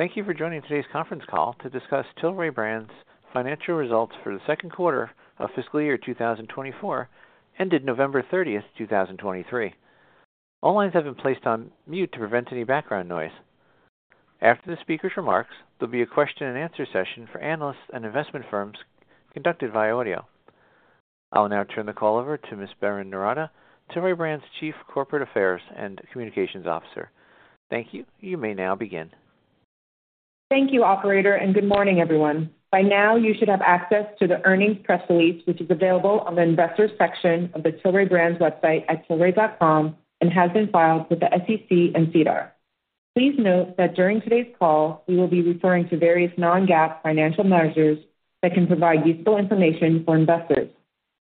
Thank you for joining today's conference call to discuss Tilray Brands' financial results for the second quarter of fiscal year 2024, ended November 30th, 2023. All lines have been placed on mute to prevent any background noise. After the speaker's remarks, there'll be a question and answer session for analysts and investment firms conducted via audio. I'll now turn the call over to Ms. Berrin Noorata, Tilray Brands' Chief Corporate Affairs and Communications Officer. Thank you. You may now begin. Thank you, operator, and good morning, everyone. By now, you should have access to the earnings press release, which is available on the Investors section of the Tilray Brands website at tilray.com and has been filed with the SEC and SEDAR. Please note that during today's call, we will be referring to various non-GAAP financial measures that can provide useful information for investors.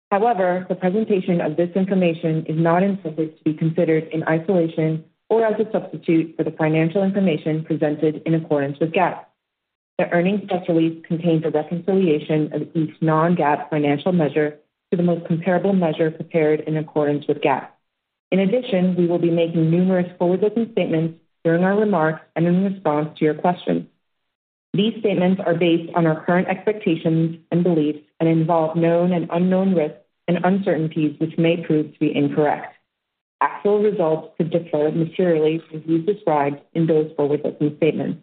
However, the presentation of this information is not intended to be considered in isolation or as a substitute for the financial information presented in accordance with GAAP. The earnings press release contains a reconciliation of each non-GAAP financial measure to the most comparable measure prepared in accordance with GAAP. In addition, we will be making numerous forward-looking statements during our remarks and in response to your questions. These statements are based on our current expectations and beliefs and involve known and unknown risks and uncertainties, which may prove to be incorrect. Actual results could differ materially as we've described in those forward-looking statements.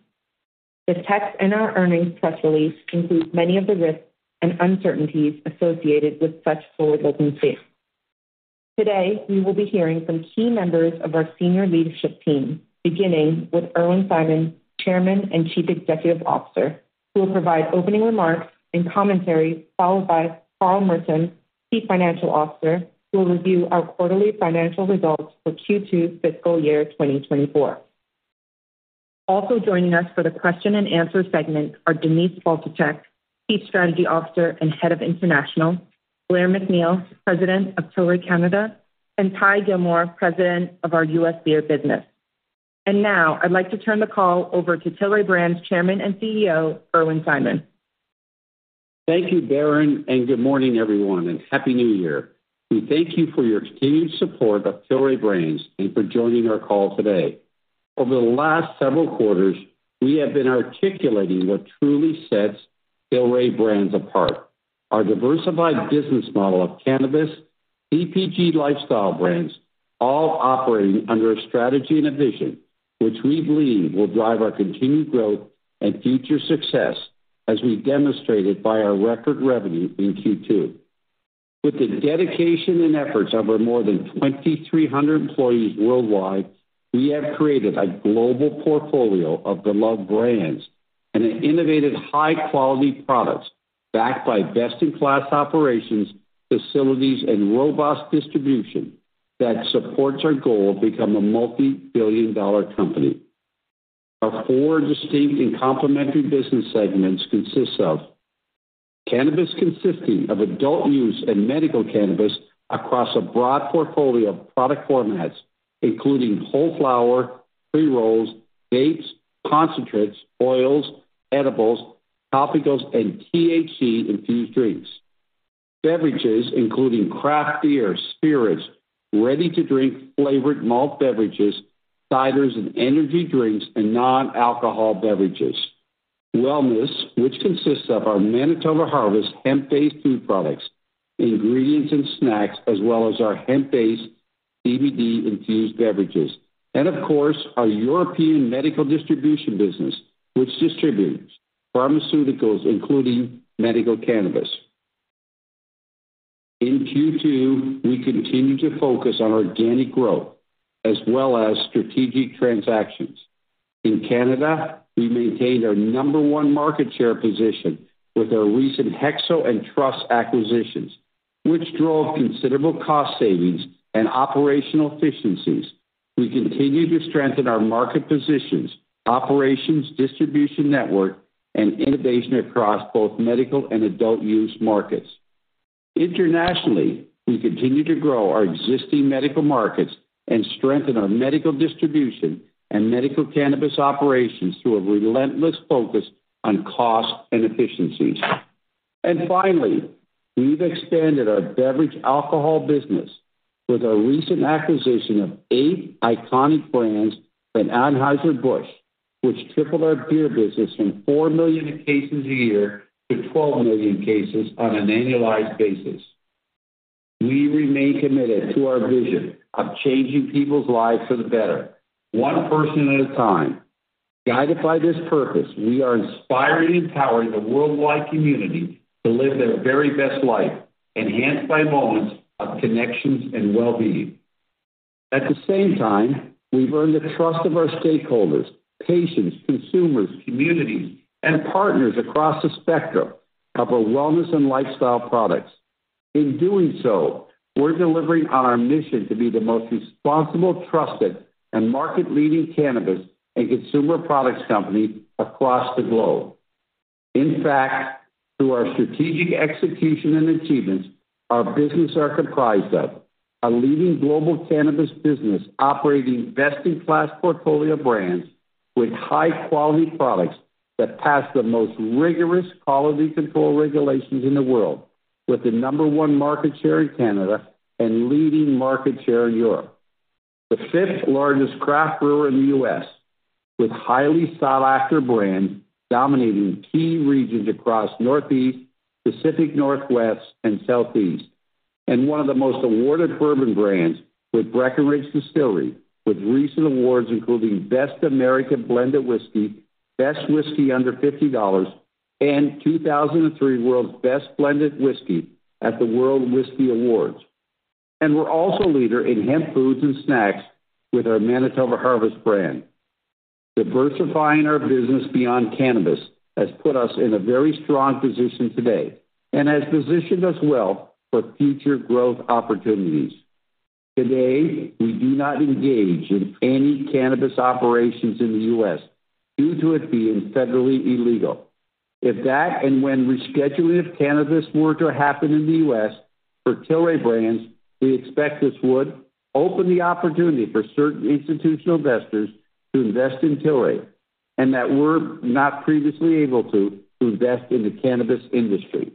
The text in our earnings press release includes many of the risks and uncertainties associated with such forward-looking statements. Today, you will be hearing from key members of our senior leadership team, beginning with Irwin Simon, Chairman and Chief Executive Officer, who will provide opening remarks and commentary, followed by Carl Merton, Chief Financial Officer, who will review our quarterly financial results for Q2 fiscal year 2024. Also joining us for the question and answer segment are Denise Faltischek, Chief Strategy Officer and Head of International, Blair MacNeil, President of Tilray Canada, and Ty Gilmore, President of our U.S. Beer Business. Now I'd like to turn the call over to Tilray Brands's Chairman and CEO, Irwin Simon. Thank you, Berrin, and good morning, everyone, and Happy New Year. We thank you for your continued support of Tilray Brands and for joining our call today. Over the last several quarters, we have been articulating what truly sets Tilray Brands apart. Our diversified business model of Cannabis, CPG Lifestyle brands, all operating under a strategy and a vision which we believe will drive our continued growth and future success, as we demonstrated by our record revenue in Q2. With the dedication and efforts of our more than 2,300 employees worldwide, we have created a global portfolio of beloved brands and innovative, high-quality products backed by best-in-class operations, facilities, and robust distribution that supports our goal of becoming a multi-billion dollar company. Our four distinct and complementary business segments consist of: Cannabis, consisting of adult use and medical cannabis across a broad portfolio of product formats, including whole flower, pre-rolls, vapes, concentrates, oils, edibles, topicals, and THC-infused drinks. Beverages, including craft beer, spirits, ready-to-drink flavored malt beverages, ciders and energy drinks, and non-alcohol beverages. Wellness, which consists of our Manitoba Harvest hemp-based food products, ingredients and snacks, as well as our hemp-based CBD-infused beverages, and of course, our European Medical Distribution business, which distributes pharmaceuticals, including medical cannabis. In Q2, we continued to focus on organic growth as well as strategic transactions. In Canada, we maintained our number one market share position with our recent HEXO and Truss acquisitions, which drove considerable cost savings and operational efficiencies. We continue to strengthen our market positions, operations, distribution network, and innovation across both medical and adult use markets. Internationally, we continue to grow our existing medical markets and strengthen our Medical Distribution and medical cannabis operations through a relentless focus on cost and efficiencies. Finally, we've expanded our Beverage Alcohol business with our recent acquisition of 8 iconic brands from Anheuser-Busch, which tripled our Beer business from 4 million cases a year to 12 million cases on an annualized basis. We remain committed to our vision of changing people's lives for the better, one person at a time. Guided by this purpose, we are inspiring and empowering the worldwide community to live their very best life, enhanced by moments of connections and well-being. At the same time, we've earned the trust of our stakeholders, patients, consumers, communities, and partners across the spectrum of our wellness and lifestyle products. In doing so, we're delivering on our mission to be the most responsible, trusted, and market-leading cannabis and consumer products company across the globe. In fact, through our strategic execution and achievements, our business are comprised of a leading Global Cannabis business operating best-in-class portfolio of brands with high-quality products that pass the most rigorous quality control regulations in the world, with the number one market share in Canada and leading market share in Europe. The fifth largest craft brewer in the U.S., with highly sought-after brands dominating key regions across Northeast, Pacific Northwest, and Southeast, and one of the most awarded bourbon brands with Breckenridge Distillery, with recent awards including Best American Blended Whiskey, Best Whiskey under $50, and 2023 World's Best Blended Whiskey at the World Whiskey Awards. We're also a leader in hemp foods and snacks with our Manitoba Harvest brand. Diversifying our business beyond Cannabis has put us in a very strong position today and has positioned us well for future growth opportunities. Today, we do not engage in any cannabis operations in the U.S. due to it being federally illegal. If that and when rescheduling of cannabis were to happen in the U.S., for Tilray Brands, we expect this would open the opportunity for certain institutional investors to invest in Tilray, and that were not previously able to, to invest in the cannabis industry,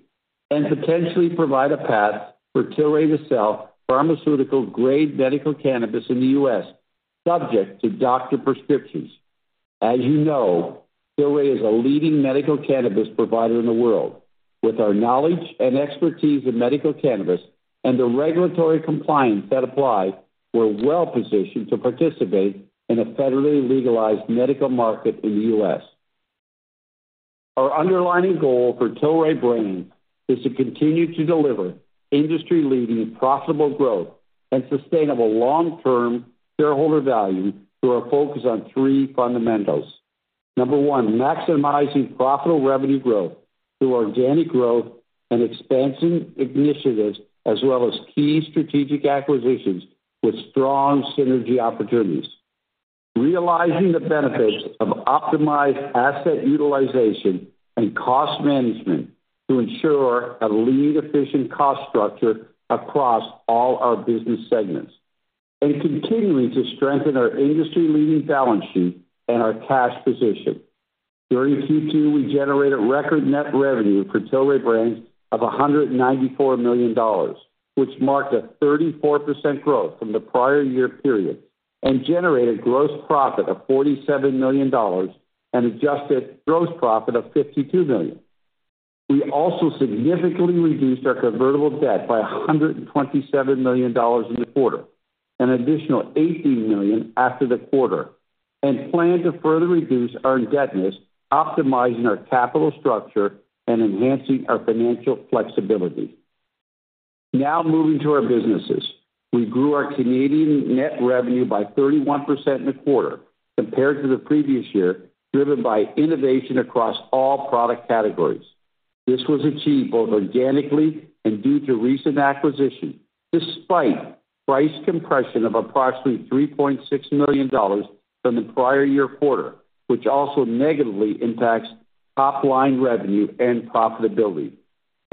and potentially provide a path for Tilray to sell pharmaceutical-grade medical cannabis in the U.S., subject to doctor prescriptions. As you know, Tilray is a leading medical cannabis provider in the world. With our knowledge and expertise in medical cannabis and the regulatory compliance that apply, we're well positioned to participate in a federally legalized medical market in the U.S. Our underlying goal for Tilray Brands is to continue to deliver industry-leading profitable growth and sustainable long-term shareholder value through our focus on three fundamentals. Number 1, maximizing profitable revenue growth through organic growth and expansion initiatives, as well as key strategic acquisitions with strong synergy opportunities. Realizing the benefits of optimized asset utilization and cost management to ensure a lean, efficient cost structure across all our business segments, and continuing to strengthen our industry-leading balance sheet and our cash position. During Q2, we generated record net revenue for Tilray Brands of $194 million, which marked a 34% growth from the prior year period, and generated gross profit of $47 million and adjusted gross profit of $52 million. We also significantly reduced our convertible debt by $127 million in the quarter, an additional $18 million after the quarter, and plan to further reduce our indebtedness, optimizing our capital structure and enhancing our financial flexibility. Now, moving to our businesses. We grew our Canadian net revenue by 31% in the quarter compared to the previous year, driven by innovation across all product categories. This was achieved both organically and due to recent acquisition, despite price compression of approximately $3.6 million from the prior year quarter, which also negatively impacts top-line revenue and profitability.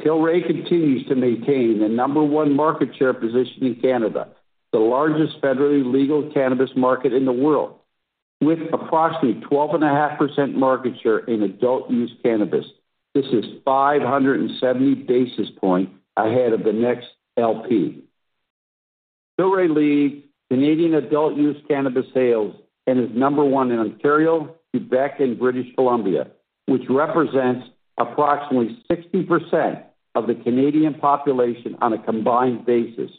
Tilray continues to maintain the number one market share position in Canada, the largest federally legal cannabis market in the world, with approximately 12.5% market share in adult use cannabis. This is 570 basis points ahead of the next LP. Tilray leads Canadian adult-use cannabis sales and is number one in Ontario, Quebec, and British Columbia, which represents approximately 60% of the Canadian population on a combined basis.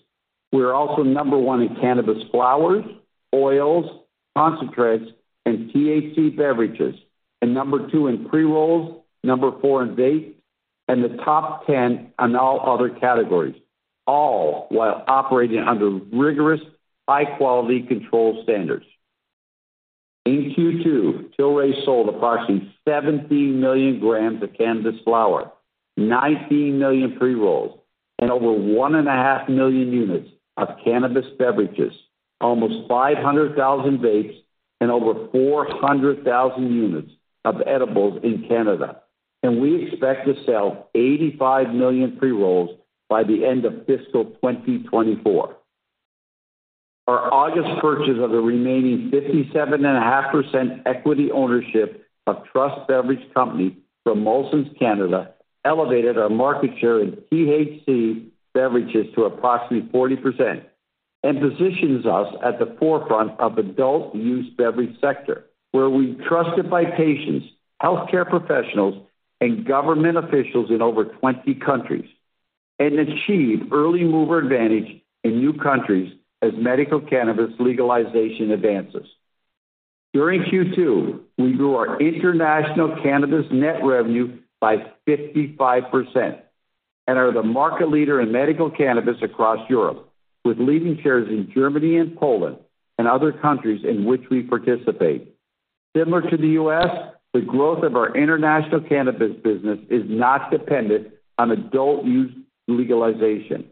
We are also number one in cannabis flowers, oils, concentrates, and THC beverages, and number two in pre-rolls, number four in vapes, and the top 10 on all other categories, all while operating under rigorous, high-quality control standards. In Q2, Tilray sold approximately 17 million grams of cannabis flower, 19 million pre-rolls, and over 1.5 million units of cannabis beverages, almost 500,000 vapes, and over 400,000 units of edibles in Canada. We expect to sell 85 million pre-rolls by the end of fiscal 2024. Our August purchase of the remaining 57.5% equity ownership of Truss Beverage Company. from Molson's Canada elevated our market share in THC beverages to approximately 40% and positions us at the forefront of adult-use beverage sector, where we're trusted by patients, healthcare professionals, and government officials in over 20 countries, and achieve early mover advantage in new countries as medical cannabis legalization advances. During Q2, we grew our International Cannabis net revenue by 55% and are the market leader in medical cannabis across Europe, with leading shares in Germany and Poland and other countries in which we participate. Similar to the U.S., the growth of our international cannabis business is not dependent on adult-use legalization.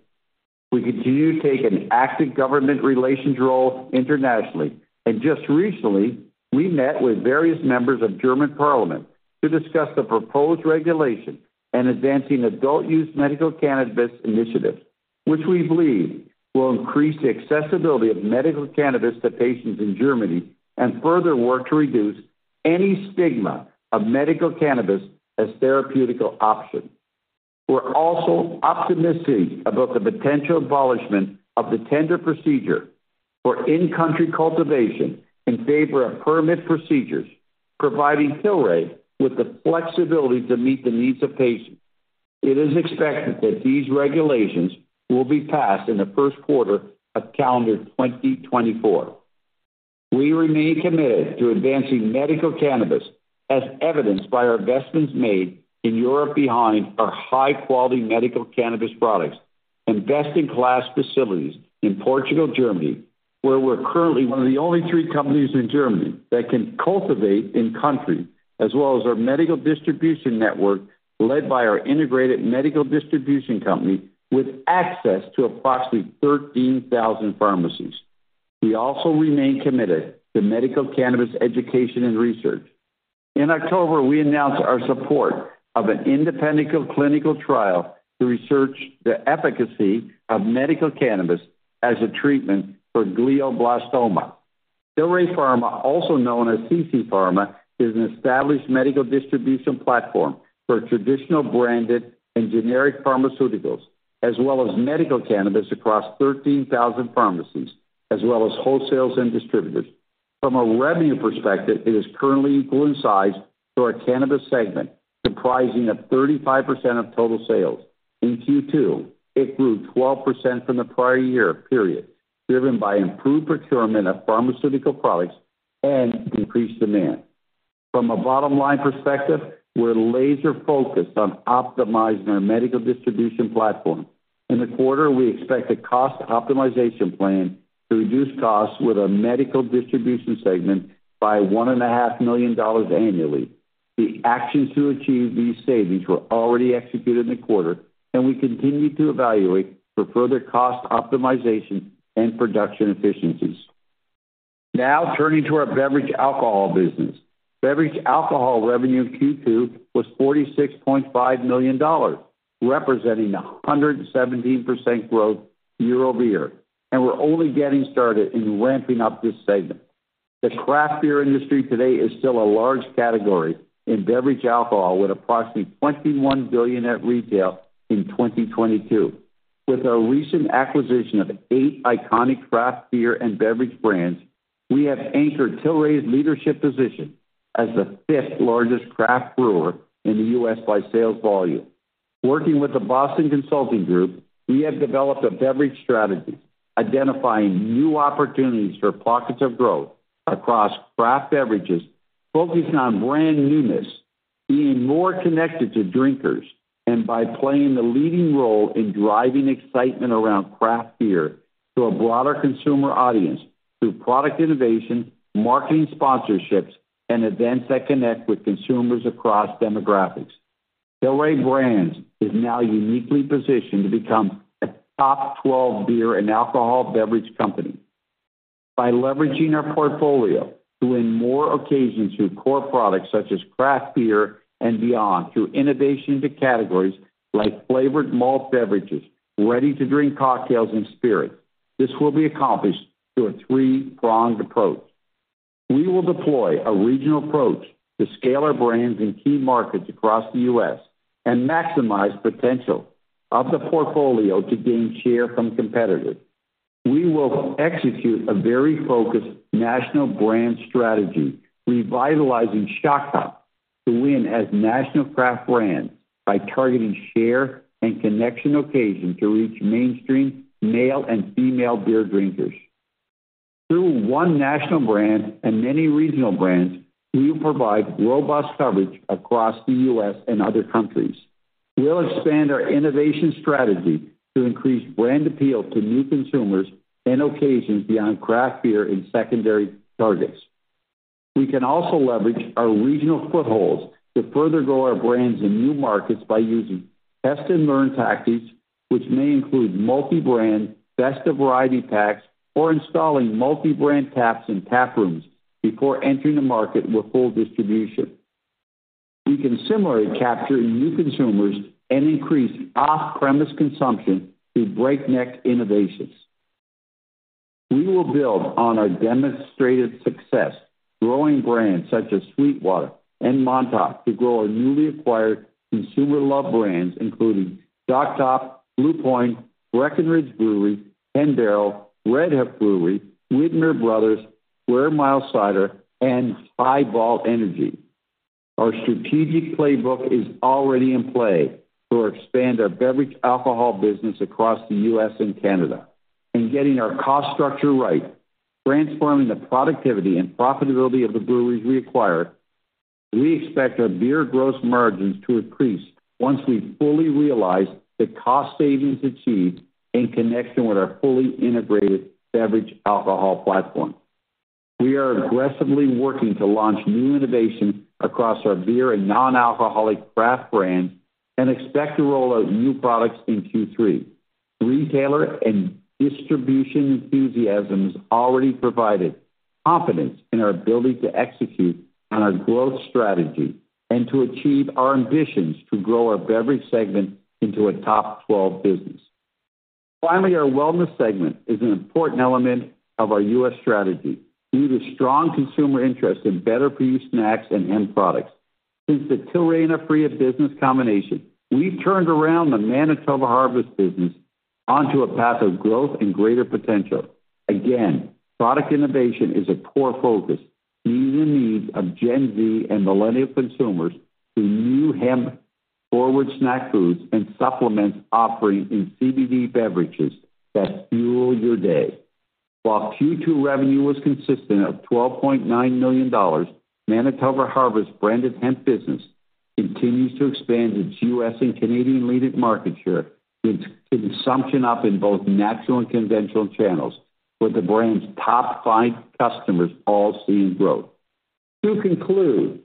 We continue to take an active government relations role internationally, and just recently, we met with various members of German parliament to discuss the proposed regulation and advancing adult use medical cannabis initiatives... which we believe will increase the accessibility of medical cannabis to patients in Germany and further work to reduce any stigma of medical cannabis as therapeutic option. We're also optimistic about the potential abolishment of the tender procedure for in-country cultivation in favor of permit procedures, providing Tilray with the flexibility to meet the needs of patients. It is expected that these regulations will be passed in the first quarter of calendar 2024. We remain committed to advancing medical cannabis, as evidenced by our investments made in Europe behind our high-quality medical cannabis products and best-in-class facilities in Portugal, Germany, where we're currently one of the only 3 companies in Germany that can cultivate in-country, as well as our Medical Distribution network, led by our integrated Medical Distribution company, with access to approximately 13,000 pharmacies. We also remain committed to medical cannabis education and research. In October, we announced our support of an independent clinical trial to research the efficacy of medical cannabis as a treatment for glioblastoma. Tilray Pharma, also known as CC Pharma, is an established Medical Distribution platform for traditional branded and generic pharmaceuticals, as well as medical cannabis, across 13,000 pharmacies, as well as wholesalers and distributors. From a revenue perspective, it is currently equal in size to our Cannabis segment, comprising of 35% of total sales. In Q2, it grew 12% from the prior year period, driven by improved procurement of pharmaceutical products and increased demand. From a bottom-line perspective, we're laser-focused on optimizing our Medical Distribution platform. In the quarter, we expect a cost optimization plan to reduce costs with our Medical Distribution segment by $1.5 million annually. The actions to achieve these savings were already executed in the quarter, and we continue to evaluate for further cost optimization and production efficiencies. Now, turning to our Beverage Alcohol business. Beverage Alcohol revenue in Q2 was $46.5 million, representing 117% growth year-over-year, and we're only getting started in ramping up this segment. The craft beer industry today is still a large category in Beverage Alcohol, with approximately $21 billion at retail in 2022. With our recent acquisition of 8 iconic craft beer and beverage brands, we have anchored Tilray's leadership position as the 5th-largest craft brewer in the U.S. by sales volume. Working with the Boston Consulting Group, we have developed a beverage strategy, identifying new opportunities for pockets of growth across craft beverages, focusing on brand newness, being more connected to drinkers, and by playing a leading role in driving excitement around craft beer to a broader consumer audience through product innovation, marketing sponsorships, and events that connect with consumers across demographics. Tilray Brands is now uniquely positioned to become a top 12 beer and alcohol beverage company. By leveraging our portfolio to win more occasions through core products such as craft beer and beyond, through innovation into categories like flavored malt beverages, ready-to-drink cocktails, and spirits. This will be accomplished through a three-pronged approach. We will deploy a regional approach to scale our brands in key markets across the U.S. and maximize potential of the portfolio to gain share from competitors. We will execute a very focused national brand strategy, revitalizing Shock Top to win as a national craft brand by targeting share and connection occasion to reach mainstream male and female beer drinkers. Through one national brand and many regional brands, we will provide robust coverage across the U.S. and other countries. We'll expand our innovation strategy to increase brand appeal to new consumers and occasions beyond craft beer and secondary targets. We can also leverage our regional footholds to further grow our brands in new markets by using test-and-learn tactics, which may include multi-brand, best-of-variety packs, or installing multi-brand taps in tap rooms before entering the market with full distribution. We can similarly capture new consumers and increase off-premise consumption through breakneck innovations. We will build on our demonstrated success, growing brands such as SweetWater and Montauk, to grow our newly acquired consumer-loved brands, including Shock Top, Blue Point, Breckenridge Brewery, 10 Barrel, Redhook Brewery, Widmer Brothers, Square Mile Cider, and HiBall Energy. Our strategic playbook is already in play to expand our Beverage Alcohol business across the US and Canada. In getting our cost structure right, transforming the productivity and profitability of the breweries we acquired, we expect our beer gross margins to increase once we've fully realized the cost savings achieved in connection with our fully integrated Beverage Alcohol platform. We are aggressively working to launch new innovation across our beer and non-alcoholic craft brands and expect to roll out new products in Q3. Retailer and distribution enthusiasm is already providing confidence in our ability to execute on our growth strategy and to achieve our ambitions to grow our beverage segment into a top twelve business. Finally, our wellness segment is an important element of our U.S. strategy, due to strong consumer interest in better-for-you snacks and hemp products. Since the Tilray and Aphria business combination, we've turned around the Manitoba Harvest business onto a path of growth and greater potential. Again, product innovation is a core focus, meeting the needs of Gen Z and Millennial consumers through new hemp forward snack foods and supplements offering in CBD beverages that fuel your day. While Q2 revenue was consistent at $12.9 million, Manitoba Harvest branded hemp business continues to expand its U.S. and Canadian leading market share, with consumption up in both natural and conventional channels, with the brand's top five customers all seeing growth. To conclude,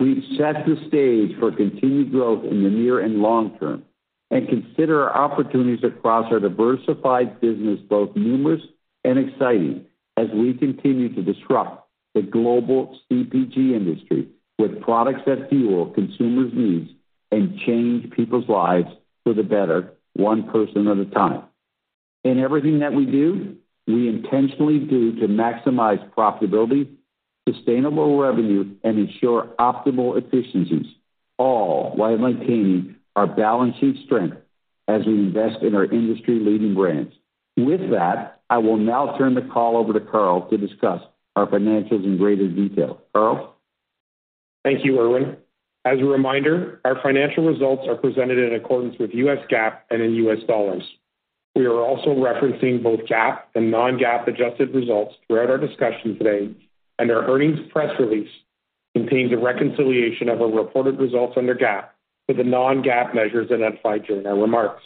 we've set the stage for continued growth in the near and long term, and consider our opportunities across our diversified business, both numerous and exciting, as we continue to disrupt the global CPG industry with products that fuel consumers' needs and change people's lives for the better, one person at a time. In everything that we do, we intentionally do to maximize profitability, sustainable revenue, and ensure optimal efficiencies, all while maintaining our balance sheet strength as we invest in our industry-leading brands. With that, I will now turn the call over to Carl to discuss our financials in greater detail. Carl? Thank you, Irwin. As a reminder, our financial results are presented in accordance with U.S. GAAP and in U.S. dollars. We are also referencing both GAAP and non-GAAP adjusted results throughout our discussion today, and our earnings press release contains a reconciliation of our reported results under GAAP to the non-GAAP measures identified during our remarks.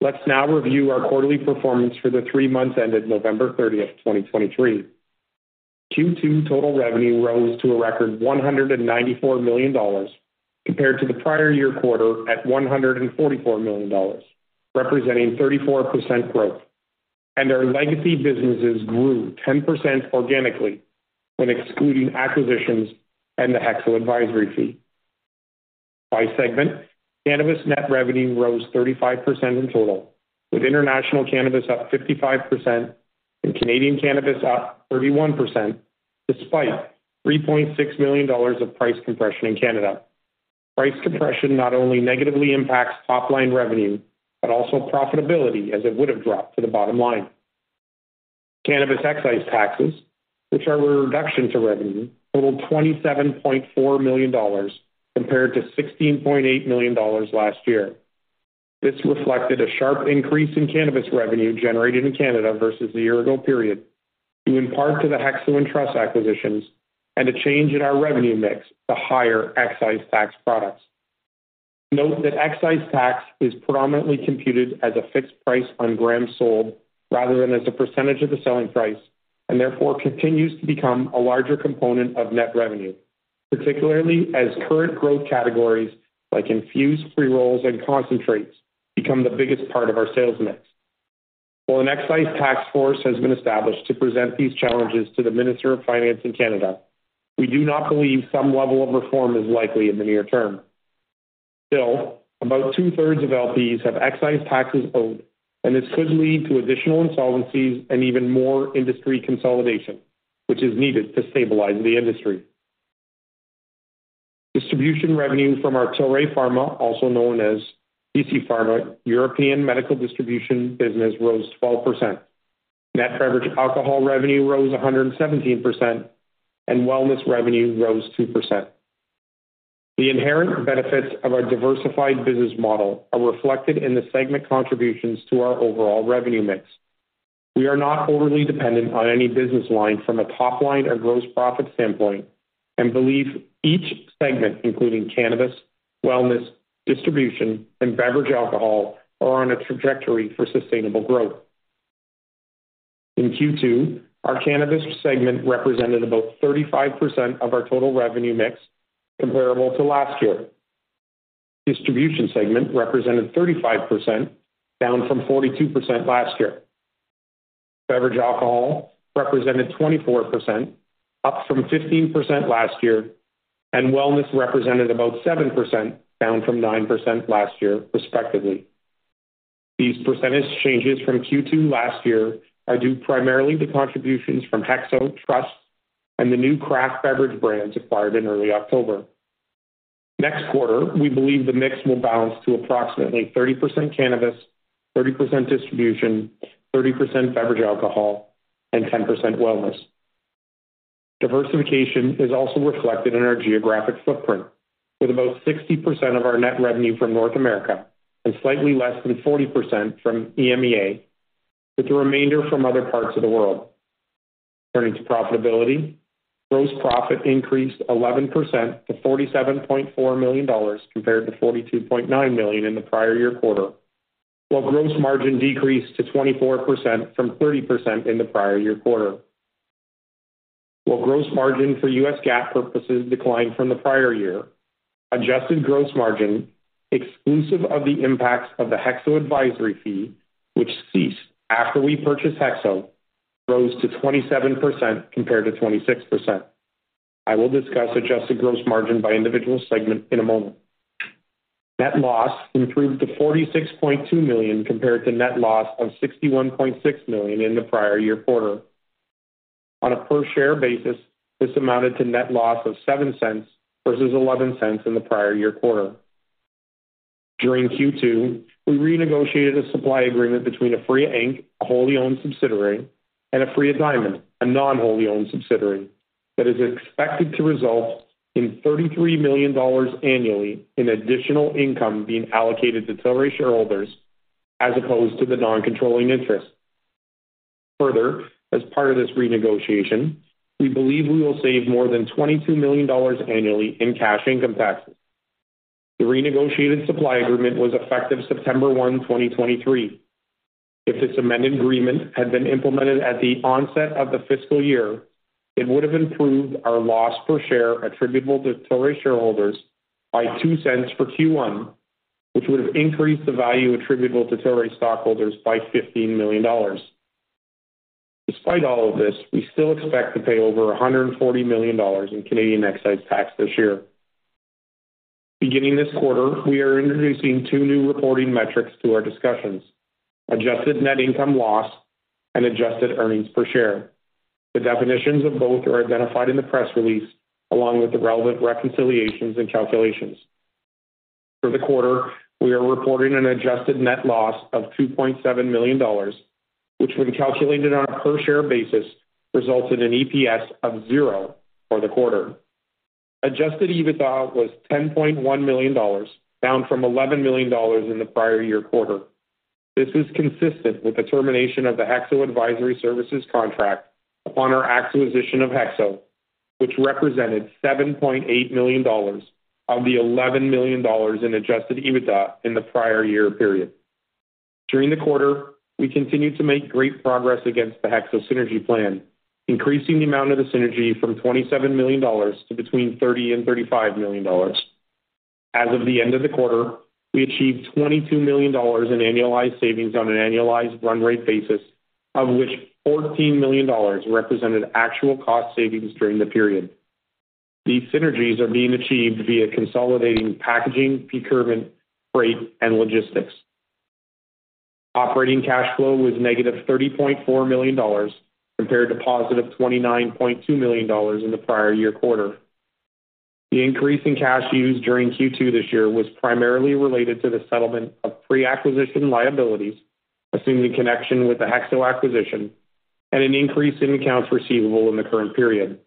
Let's now review our quarterly performance for the three months ended November 30th, 2023. Q2 total revenue rose to a record $194 million, compared to the prior year quarter at $144 million, representing 34% growth, and our legacy businesses grew 10% organically when excluding acquisitions and the HEXO advisory fee. By segment, Cannabis net revenue rose 35% in total, with International Cannabis up 55% and Canadian Cannabis up 31%, despite $3.6 million of price compression in Canada. Price compression not only negatively impacts top-line revenue, but also profitability, as it would have dropped to the bottom line. Cannabis excise taxes, which are a reduction to revenue, totaled $27.4 million, compared to $16.8 million last year. This reflected a sharp increase in Cannabis revenue generated in Canada versus the year-ago period, due in part to the HEXO and Truss acquisitions and a change in our revenue mix to higher excise tax products. Note that excise tax is predominantly computed as a fixed price on grams sold rather than as a percentage of the selling price, and therefore continues to become a larger component of net revenue, particularly as current growth categories like infused pre-rolls and concentrates become the biggest part of our sales mix. While an excise tax force has been established to present these challenges to the Minister of Finance in Canada, we do not believe some level of reform is likely in the near term. Still, about 2/3 of LPs have excise taxes owed, and this could lead to additional insolvencies and even more industry consolidation, which is needed to stabilize the industry. Distribution revenue from our Tilray Pharma, also known as CC Pharma, European Medical Distribution business, rose 12%. Net Beverage Alcohol revenue rose 117%, and Wellness revenue rose 2%. The inherent benefits of our diversified business model are reflected in the segment contributions to our overall revenue mix. We are not overly dependent on any business line from a top-line or gross profit standpoint, and believe each segment, including Cannabis, Wellness, Distribution, and Beverage Alcohol, are on a trajectory for sustainable growth. In Q2, our Cannabis segment represented about 35% of our total revenue mix, comparable to last year. Distribution segment represented 35%, down from 42% last year. Beverage Alcohol represented 24%, up from 15% last year, and wellness represented about 7%, down from 9% last year, respectively. These percentage changes from Q2 last year are due primarily to contributions from HEXO, Truss, and the new craft beverage brands acquired in early October. Next quarter, we believe the mix will balance to approximately 30% Cannabis, 30% Distribution, 30% Beverage Alcohol, and 10% Wellness. Diversification is also reflected in our geographic footprint, with about 60% of our net revenue from North America and slightly less than 40% from EMEA, with the remainder from other parts of the world. Turning to profitability, gross profit increased 11% to $47.4 million, compared to $42.9 million in the prior year quarter, while gross margin decreased to 24% from 30% in the prior year quarter. While gross margin for U.S. GAAP purposes declined from the prior year, adjusted gross margin, exclusive of the impacts of the HEXO advisory fee, which ceased after we purchased HEXO, rose to 27% compared to 26%. I will discuss adjusted gross margin by individual segment in a moment. Net loss improved to $46.2 million compared to net loss of $61.6 million in the prior year quarter. On a per share basis, this amounted to net loss of $0.07 versus $0.11 in the prior year quarter. During Q2, we renegotiated a supply agreement between Aphria Inc., a wholly-owned subsidiary, and Aphria Diamond, a non-wholly owned subsidiary, that is expected to result in $33 million annually in additional income being allocated to Tilray shareholders, as opposed to the non-controlling interest. Further, as part of this renegotiation, we believe we will save more than $22 million annually in cash income taxes. The renegotiated supply agreement was effective September 1, 2023. If this amended agreement had been implemented at the onset of the fiscal year, it would have improved our loss per share attributable to Tilray shareholders by $0.02 for Q1, which would have increased the value attributable to Tilray stockholders by $15 million. Despite all of this, we still expect to pay over $140 million in Canadian excise tax this year. Beginning this quarter, we are introducing two new reporting metrics to our discussions: adjusted net income loss and adjusted earnings per share. The definitions of both are identified in the press release, along with the relevant reconciliations and calculations. For the quarter, we are reporting an adjusted net loss of $2.7 million, which, when calculated on a per-share basis, results in an EPS of 0 for the quarter. Adjusted EBITDA was $10.1 million, down from $11 million in the prior year quarter. This is consistent with the termination of the HEXO advisory services contract upon our acquisition of HEXO, which represented $7.8 million of the $11 million in adjusted EBITDA in the prior year period. During the quarter, we continued to make great progress against the HEXO synergy plan, increasing the amount of the synergy from $27 million to between $30 million and $35 million. As of the end of the quarter, we achieved $22 million in annualized savings on an annualized run rate basis, of which $14 million represented actual cost savings during the period. These synergies are being achieved via consolidating packaging, procurement, freight, and logistics. Operating cash flow was -$30.4 million, compared to $29.2 million in the prior year quarter. The increase in cash used during Q2 this year was primarily related to the settlement of pre-acquisition liabilities, assumed in connection with the HEXO acquisition and an increase in accounts receivable in the current period.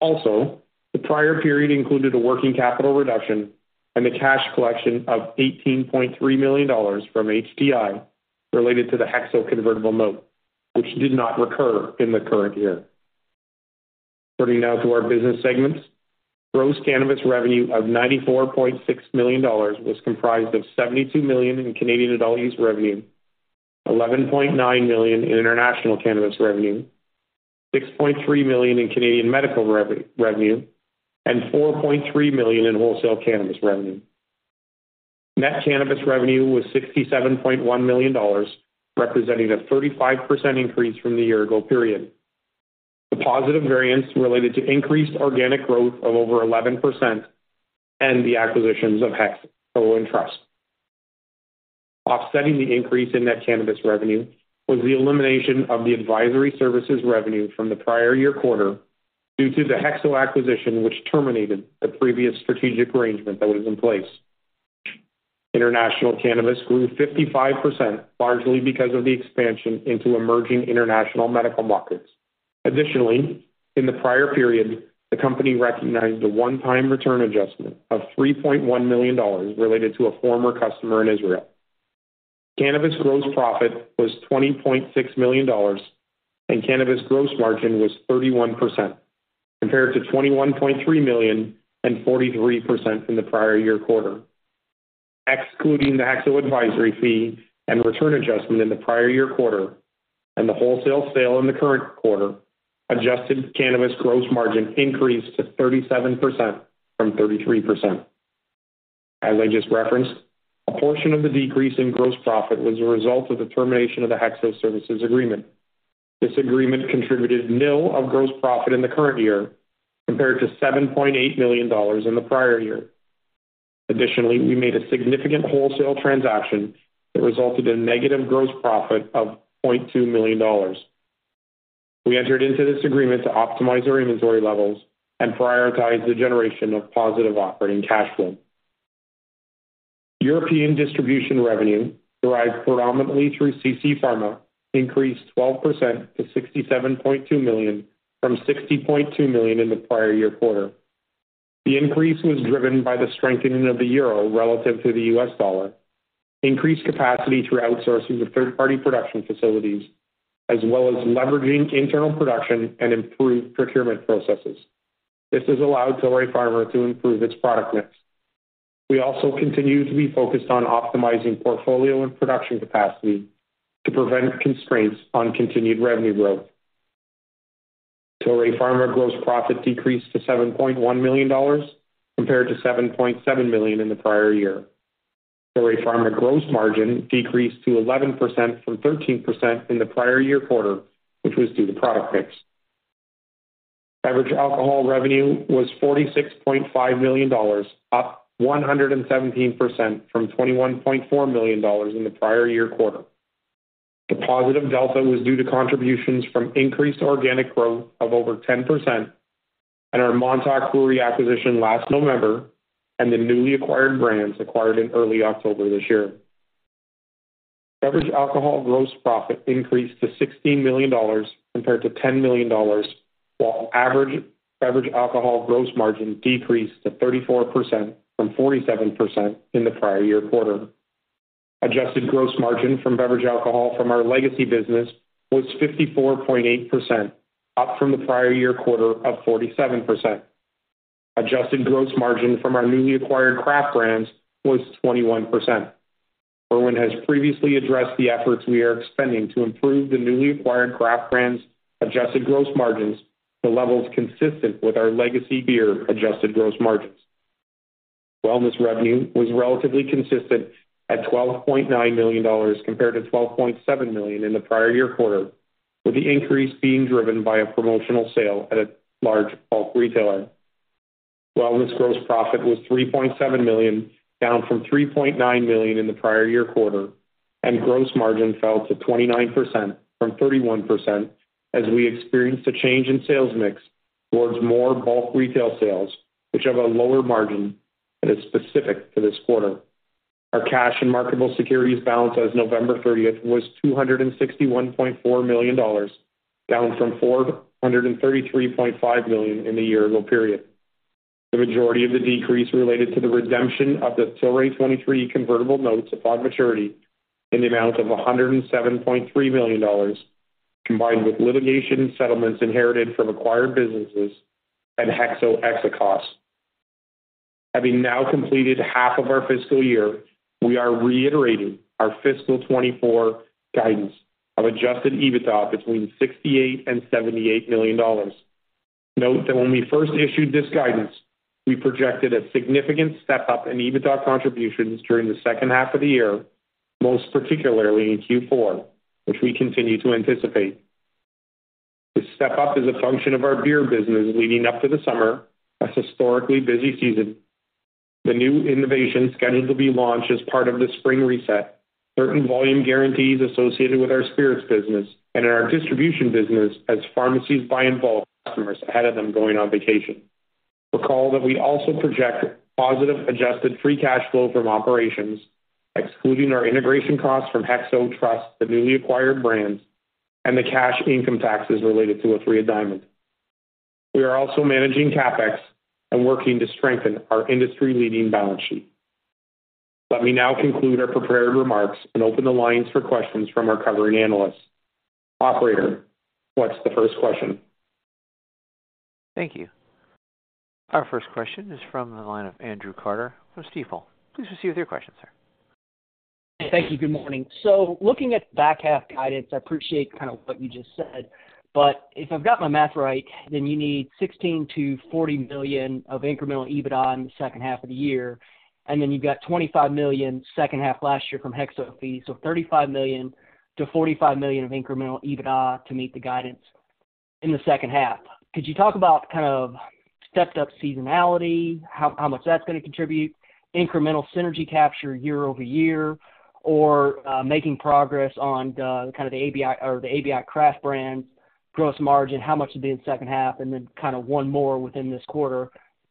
Also, the prior period included a working capital reduction and the cash collection of $18.3 million from HTI related to the HEXO convertible note, which did not recur in the current year. Turning now to our business segments. Gross Cannabis revenue of $94.6 million was comprised of $72 million in Canadian adult use revenue, $11.9 million in International Cannabis revenue, $6.3 million in Canadian medical revenue, and $4.3 million in wholesale Cannabis revenue. Net Cannabis revenue was $67.1 million, representing a 35% increase from the year-ago period. The positive variance related to increased organic growth of over 11% and the acquisitions of HEXO and Truss. Offsetting the increase in Net Cannabis revenue was the elimination of the Advisory Services revenue from the prior year quarter due to the HEXO acquisition, which terminated the previous strategic arrangement that was in place. International cannabis grew 55%, largely because of the expansion into emerging international medical markets. Additionally, in the prior period, the company recognized a one-time return adjustment of $3.1 million related to a former customer in Israel. Cannabis gross profit was $20.6 million, and cannabis gross margin was 31%, compared to $21.3 million and 43% in the prior year quarter. Excluding the HEXO advisory fee and return adjustment in the prior year quarter and the wholesale sale in the current quarter, adjusted cannabis gross margin increased to 37% from 33%. As I just referenced, a portion of the decrease in gross profit was a result of the termination of the HEXO services agreement. This agreement contributed nil of gross profit in the current year, compared to $7.8 million in the prior year. Additionally, we made a significant wholesale transaction that resulted in negative gross profit of $0.2 million. We entered into this agreement to optimize our inventory levels and prioritize the generation of positive operating cash flow. European Distribution revenue, derived predominantly through CC Pharma, increased 12% to $67.2 million from $60.2 million in the prior year quarter. The increase was driven by the strengthening of the euro relative to the U.S. dollar, increased capacity through outsourcing to third-party production facilities, as well as leveraging internal production and improved procurement processes. This has allowed Tilray Pharma to improve its product mix.... We also continue to be focused on optimizing portfolio and production capacity to prevent constraints on continued revenue growth. Tilray Pharma gross profit decreased to $7.1 million, compared to $7.7 million in the prior year. Tilray Pharma gross margin decreased to 11% from 13% in the prior year quarter, which was due to product mix. Beverage Alcohol revenue was $46.5 million, up 117% from $21.4 million in the prior year quarter. The positive delta was due to contributions from increased organic growth of over 10% and our Montauk Brewery acquisition last November, and the newly acquired brands acquired in early October this year. Beverage Alcohol gross profit increased to $16 million compared to $10 million, while average Beverage Alcohol gross margin decreased to 34% from 47% in the prior year quarter. Adjusted gross margin from Beverage Alcohol from our legacy business was 54.8%, up from the prior year quarter of 47%. Adjusted gross margin from our newly acquired craft brands was 21%. Irwin has previously addressed the efforts we are expending to improve the newly acquired craft brands' adjusted gross margins to levels consistent with our legacy beer adjusted gross margins. Wellness revenue was relatively consistent at $12.9 million compared to $12.7 million in the prior year quarter, with the increase being driven by a promotional sale at a large bulk retailer. Wellness gross profit was $3.7 million, down from $3.9 million in the prior year quarter, and gross margin fell to 29% from 31%, as we experienced a change in sales mix towards more bulk retail sales, which have a lower margin and is specific to this quarter. Our cash and marketable securities balance as of November 30 was $261.4 million, down from $433.5 million in the year-ago period. The majority of the decrease related to the redemption of the Tilray 2023 convertible notes upon maturity in the amount of $107.3 million, combined with litigation settlements inherited from acquired businesses and HEXO exit costs. Having now completed half of our fiscal year, we are reiterating our fiscal 2024 guidance of adjusted EBITDA between $68 million and $78 million. Note that when we first issued this guidance, we projected a significant step-up in EBITDA contributions during the second half of the year, most particularly in Q4, which we continue to anticipate. This step-up is a function of our beer business leading up to the summer, a historically busy season. The new innovations scheduled to be launched as part of the spring reset, certain volume guarantees associated with our spirits business and in our distribution business as pharmacies buy in bulk customers ahead of them going on vacation. Recall that we also project positive adjusted free cash flow from operations, excluding our integration costs from HEXO Truss, the newly acquired brands and the cash income taxes related to Aphria Diamond. We are also managing CapEx and working to strengthen our industry-leading balance sheet. Let me now conclude our prepared remarks and open the lines for questions from our covering analysts. Operator, what's the first question? Thank you. Our first question is from the line of Andrew Carter from Stifel. Please proceed with your question, sir. Thank you. Good morning. So looking at the back half guidance, I appreciate kind of what you just said, but if I've got my math right, then you need $16 million-$40 million of incremental EBITDA in the second half of the year, and then you've got $25 million second half last year from HEXO fee. So $35 million-$45 million of incremental EBITDA to meet the guidance in the second half. Could you talk about kind of stepped up seasonality, how much that's going to contribute, incremental synergy capture year-over-year, or making progress on the ABI craft brands gross margin, how much it'd be in the second half, and then kind of one more within this quarter.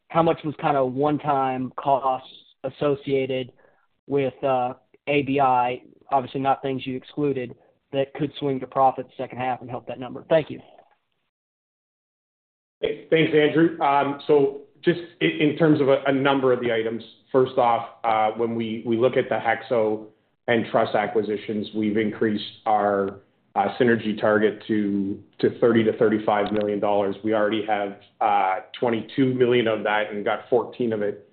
How much was kind of one-time costs associated with ABI? Obviously, not things you excluded that could swing to profit second half and help that number. Thank you. Thanks, Andrew. So just in terms of a number of the items, first off, when we look at the HEXO and Truss acquisitions, we've increased our synergy target to $30 million-$35 million. We already have $22 million of that and got $14 million of it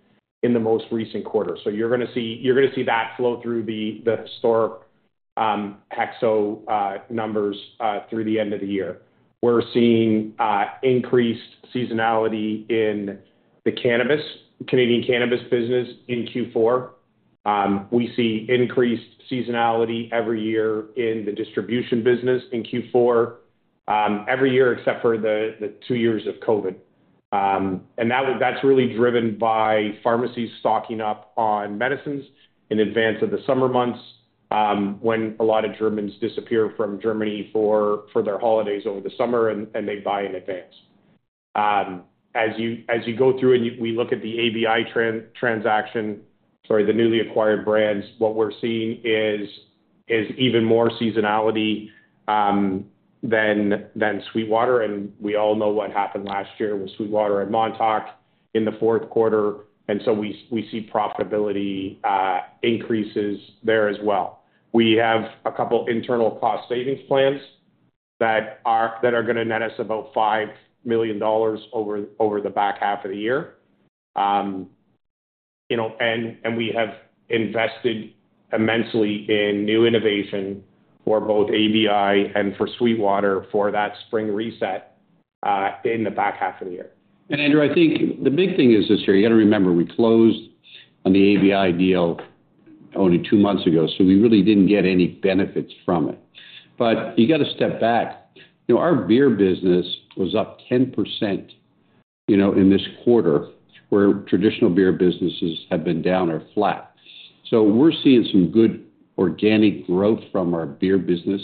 in the most recent quarter. So you're gonna see, you're gonna see that flow through the historic HEXO numbers through the end of the year. We're seeing increased seasonality in the cannabis, Canadian cannabis business in Q4. We see increased seasonality every year in the distribution business in Q4, every year except for the two years of COVID. And that, that's really driven by pharmacies stocking up on medicines in advance of the summer months, when a lot of Germans disappear from Germany for their holidays over the summer and they buy in advance. As you go through and we look at the ABI transaction, the newly acquired brands, what we're seeing is even more seasonality than SweetWater, and we all know what happened last year with SweetWater and Montauk in the fourth quarter, and so we see profitability increases there as well. We have a couple internal cost savings plans that are gonna net us about $5 million over the back half of the year. You know, and we have invested immensely in new innovation for both ABI and for Sweetwater, for that spring reset, in the back half of the year. Andrew, I think the big thing is this here, you got to remember, we closed on the ABI deal only two months ago, so we really didn't get any benefits from it. But you got to step back. You know, our beer business was up 10%, you know, in this quarter, where traditional beer businesses have been down or flat. So we're seeing some good organic growth from our beer business.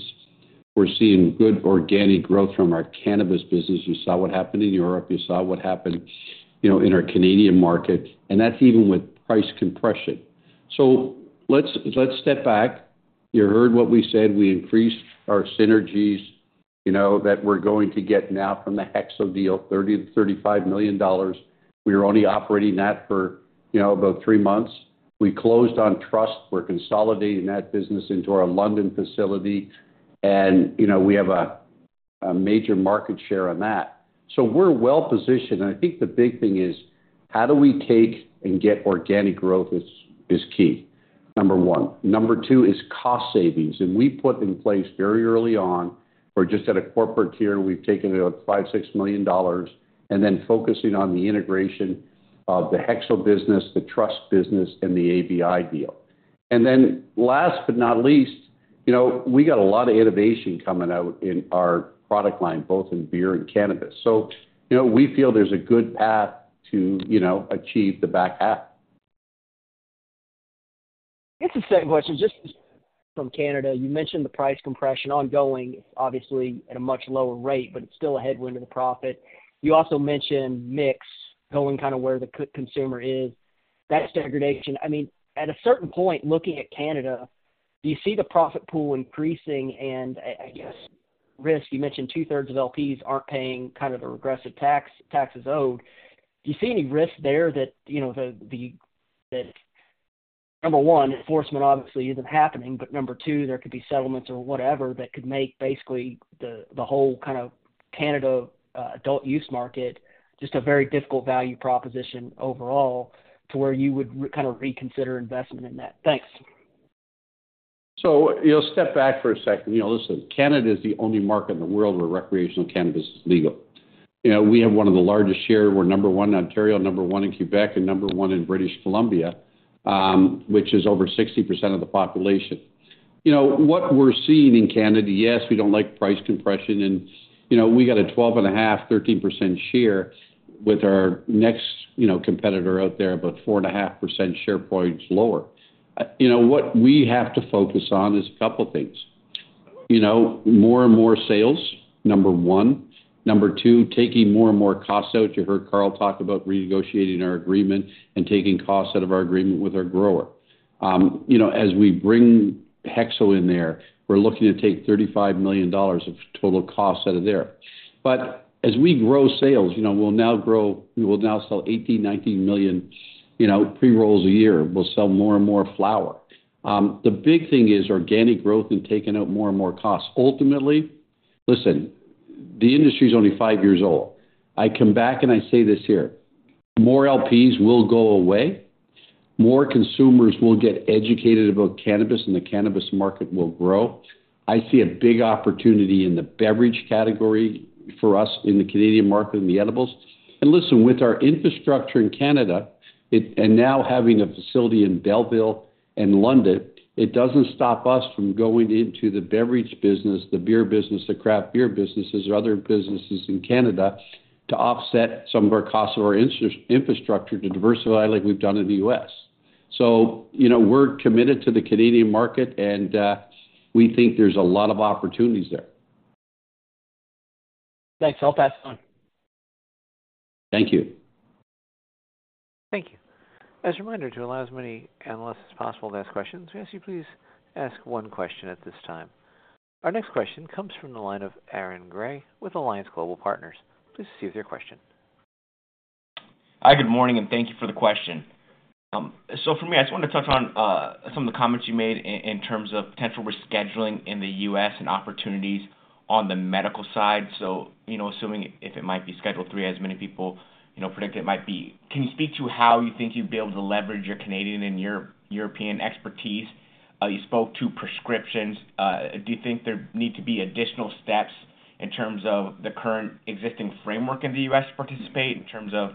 We're seeing good organic growth from our cannabis business. You saw what happened in Europe. You saw what happened, you know, in our Canadian market, and that's even with price compression. So let's, let's step back. You heard what we said. We increased our synergies, you know, that we're going to get now from the HEXO deal, $30 million-$35 million. We were only operating that for, you know, about three months. We closed on Truss. We're consolidating that business into our London facility, and, you know, we have a major market share on that. So we're well positioned. I think the big thing is how do we take and get organic growth is key, number one. Number two is cost savings, and we put in place very early on, or just at a corporate tier, we've taken out $5-$6 million and then focusing on the integration of the HEXO business, the Truss business, and the ABI deal. And then last but not least, you know, we got a lot of innovation coming out in our product line, both in beer and cannabis. So, you know, we feel there's a good path to, you know, achieve the back half. It's the second question, just from Canada. You mentioned the price compression ongoing, obviously at a much lower rate, but it's still a headwind in the profit. You also mentioned mix, going kind of where the consumer is. That degradation, I mean, at a certain point, looking at Canada, do you see the profit pool increasing? And I guess, risk, you mentioned 2/3 of LPs aren't paying kind of the regressive tax, taxes owed. Do you see any risk there that, you know, that, number one, enforcement obviously isn't happening, but number two, there could be settlements or whatever that could make basically the whole kind of Canada adult use market, just a very difficult value proposition overall to where you would reconsider investment in that? Thanks. So you'll step back for a second. You know, listen, Canada is the only market in the world where recreational cannabis is legal. You know, we have one of the largest share. We're number one in Ontario, number one in Quebec, and number one in British Columbia, which is over 60% of the population. You know, what we're seeing in Canada, yes, we don't like price compression and, you know, we got a 12.5%-13% share with our next, you know, competitor out there, about 4.5% share points lower. You know, what we have to focus on is a couple of things. You know, more and more sales, number one. Number two, taking more and more costs out. You heard Carl talk about renegotiating our agreement and taking costs out of our agreement with our grower. You know, as we bring HEXO in there, we're looking to take $35 million of total costs out of there. But as we grow sales, you know, we'll now grow. We will now sell 18-19 million, you know, pre-rolls a year. We'll sell more and more flower. The big thing is organic growth and taking out more and more costs. Ultimately, listen, the industry is only 5 years old. I come back and I say this here, more LPs will go away, more consumers will get educated about cannabis, and the cannabis market will grow. I see a big opportunity in the beverage category for us in the Canadian market and the edibles. Listen, with our infrastructure in Canada, it, and now having a facility in Belleville and London, it doesn't stop us from going into the beverage business, the beer business, the craft beer businesses, or other businesses in Canada to offset some of our costs of our infrastructure to diversify like we've done in the U.S. So you know, we're committed to the Canadian market, and we think there's a lot of opportunities there. Thanks. I'll pass it on. Thank you. Thank you. As a reminder, to allow as many analysts as possible to ask questions, we ask you, please ask one question at this time. Our next question comes from the line of Aaron Gray with Alliance Global Partners. Please go ahead with your question. Hi, good morning, and thank you for the question. So for me, I just wanted to touch on some of the comments you made in terms of potential rescheduling in the U.S. and opportunities on the medical side. So, you know, assuming if it might be Schedule 3, as many people you know, predict it might be, can you speak to how you think you'd be able to leverage your Canadian and your European expertise? You spoke to prescriptions. Do you think there need to be additional steps in terms of the current existing framework in the U.S. participate in terms of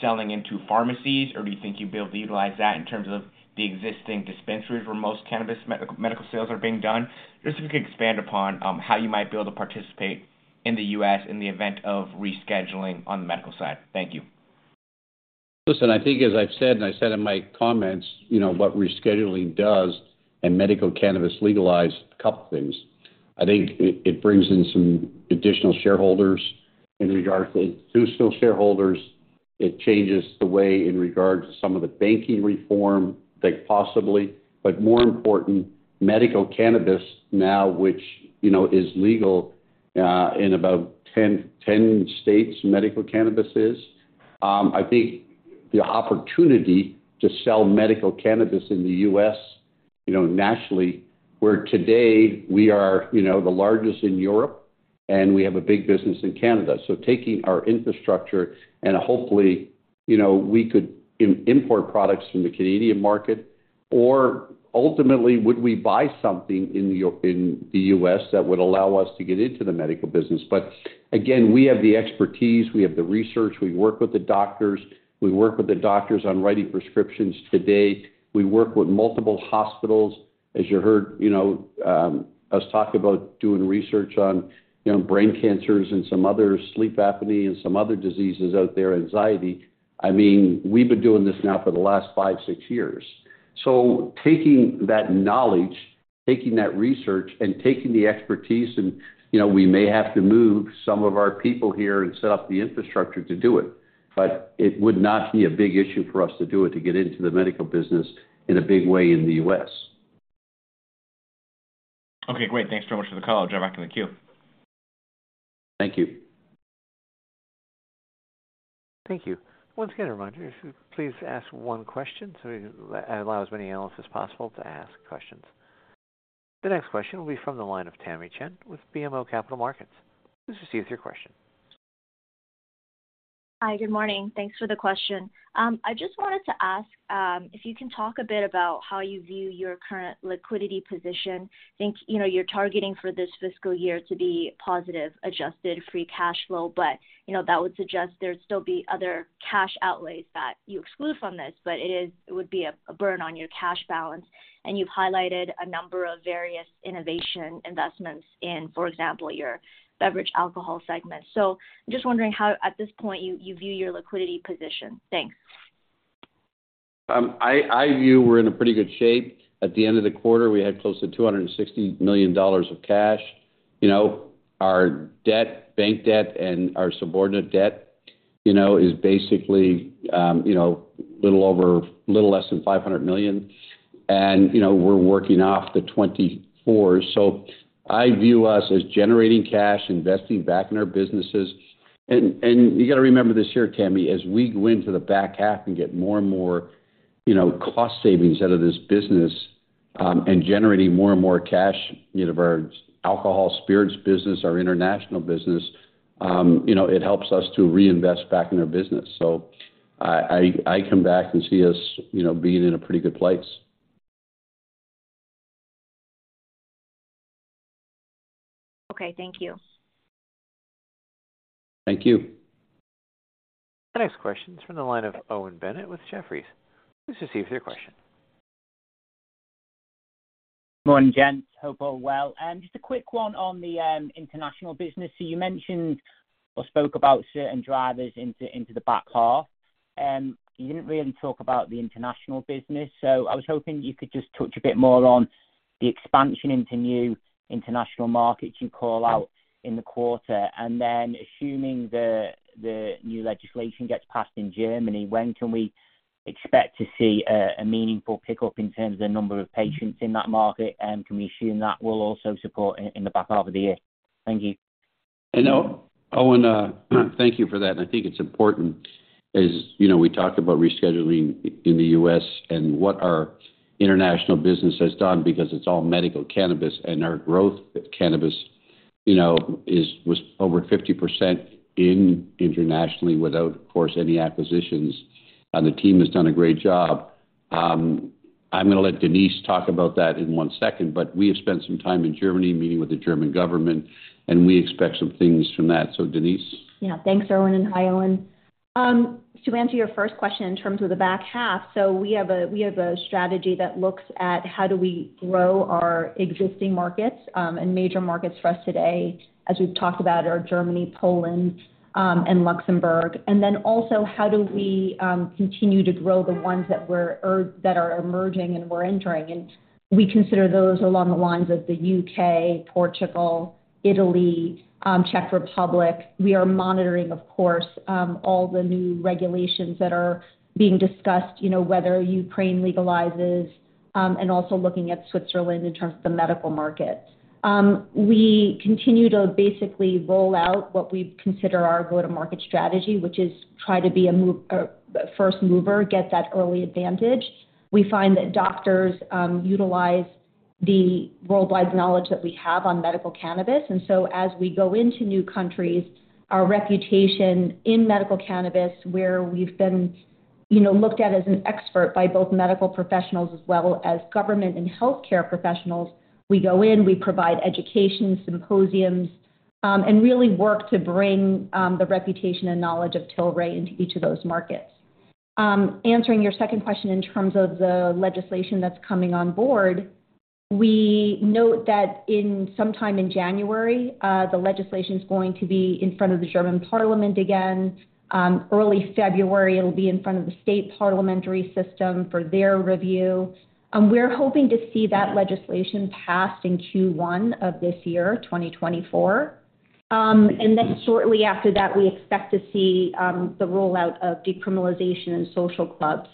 selling into pharmacies? Or do you think you'd be able to utilize that in terms of the existing dispensaries where most cannabis medical sales are being done? Just if you could expand upon how you might be able to participate in the U.S. in the event of rescheduling on the medical side? Thank you. Listen, I think as I've said, and I said in my comments, you know, what rescheduling does in medical cannabis legalized a couple of things. I think it brings in some additional shareholders. In regards to institutional shareholders, it changes the way in regards to some of the banking reform, like possibly, but more important, medical cannabis now, which you know, is legal in about 10 states, medical cannabis is. I think the opportunity to sell medical cannabis in the U.S.- you know, nationally, where today we are, you know, the largest in Europe, and we have a big business in Canada. So taking our infrastructure and hopefully, you know, we could import products from the Canadian market, or ultimately, would we buy something in the U.S. that would allow us to get into the medical business? But again, we have the expertise, we have the research. We work with the doctors. We work with the doctors on writing prescriptions today. We work with multiple hospitals. As you heard, you know, us talk about doing research on, you know, brain cancers and some other sleep apnea and some other diseases out there, anxiety. I mean, we've been doing this now for the last 5, 6 years. So taking that knowledge, taking that research, and taking the expertise and, you know, we may have to move some of our people here and set up the infrastructure to do it, but it would not be a big issue for us to do it, to get into the medical business in a big way in the U.S. Okay, great. Thanks so much for the call. I'll drive back in the queue. Thank you. Thank you. Once again, a reminder, please ask one question, so we allow as many analysts as possible to ask questions. The next question will be from the line of Tamy Chen with BMO Capital Markets. Please proceed with your question. Hi, good morning. Thanks for the question. I just wanted to ask, if you can talk a bit about how you view your current liquidity position. I think, you know, you're targeting for this fiscal year to be positive Adjusted Free Cash Flow, but, you know, that would suggest there'd still be other cash outlays that you exclude from this, but it is... It would be a burden on your cash balance, and you've highlighted a number of various innovation investments in, for example, your Beverage Alcohol segment. So I'm just wondering how, at this point, you view your liquidity position. Thanks. I view we're in a pretty good shape. At the end of the quarter, we had close to $260 million of cash. You know, our debt, bank debt, and our subordinated debt, you know, is basically, you know, little less than $500 million, and, you know, we're working off the 2024. So I view us as generating cash, investing back in our businesses. And you got to remember this year, Tammy, as we go into the back half and get more and more, you know, cost savings out of this business, and generating more and more cash out of our alcohol spirits business, our international business, you know, it helps us to reinvest back in our business. So I come back and see us, you know, being in a pretty good place. Okay, thank you. Thank you. The next question is from the line of Owen Bennett with Jefferies. Please proceed with your question. Morning, gents. Hope all well. Just a quick one on the, international business. So you mentioned or spoke about certain drivers into, into the back half, you didn't really talk about the international business. So I was hoping you could just touch a bit more on the expansion into new international markets you call out in the quarter. And then, assuming the new legislation gets passed in Germany, when can we expect to see a meaningful pickup in terms of the number of patients in that market, and can we assume that will also support in, in the back half of the year? Thank you. You know, Owen, thank you for that. I think it's important, as you know, we talked about rescheduling in the U.S. and what our international business has done because it's all medical cannabis, and our growth cannabis, you know, is, was over 50% internationally without, of course, any acquisitions, and the team has done a great job. I'm going to let Denise talk about that in one second, but we have spent some time in Germany, meeting with the German government, and we expect some things from that. So, Denise? Yeah. Thanks, Irwin, and hi, Owen. To answer your first question in terms of the back half, so we have a strategy that looks at how do we grow our existing markets, and major markets for us today, as we've talked about, are Germany, Poland, and Luxembourg. And then also, how do we continue to grow the ones that are emerging and we're entering? And we consider those along the lines of the UK, Portugal, Italy, Czech Republic. We are monitoring, of course, all the new regulations that are being discussed, you know, whether Ukraine legalizes, and also looking at Switzerland in terms of the medical market. We continue to basically roll out what we consider our go-to-market strategy, which is try to be a first mover, get that early advantage. We find that doctors utilize the worldwide knowledge that we have on medical cannabis, and so as we go into new countries, our reputation in medical cannabis, where we've been, you know, looked at as an expert by both medical professionals as well as government and healthcare professionals, we go in, we provide education, symposiums, and really work to bring the reputation and knowledge of Tilray into each of those markets. Answering your second question in terms of the legislation that's coming on board, we note that in sometime in January the legislation's going to be in front of the German parliament again. Early February, it'll be in front of the state parliamentary system for their review. We're hoping to see that legislation passed in Q1 of this year, 2024. Then shortly after that, we expect to see the rollout of decriminalization and social clubs,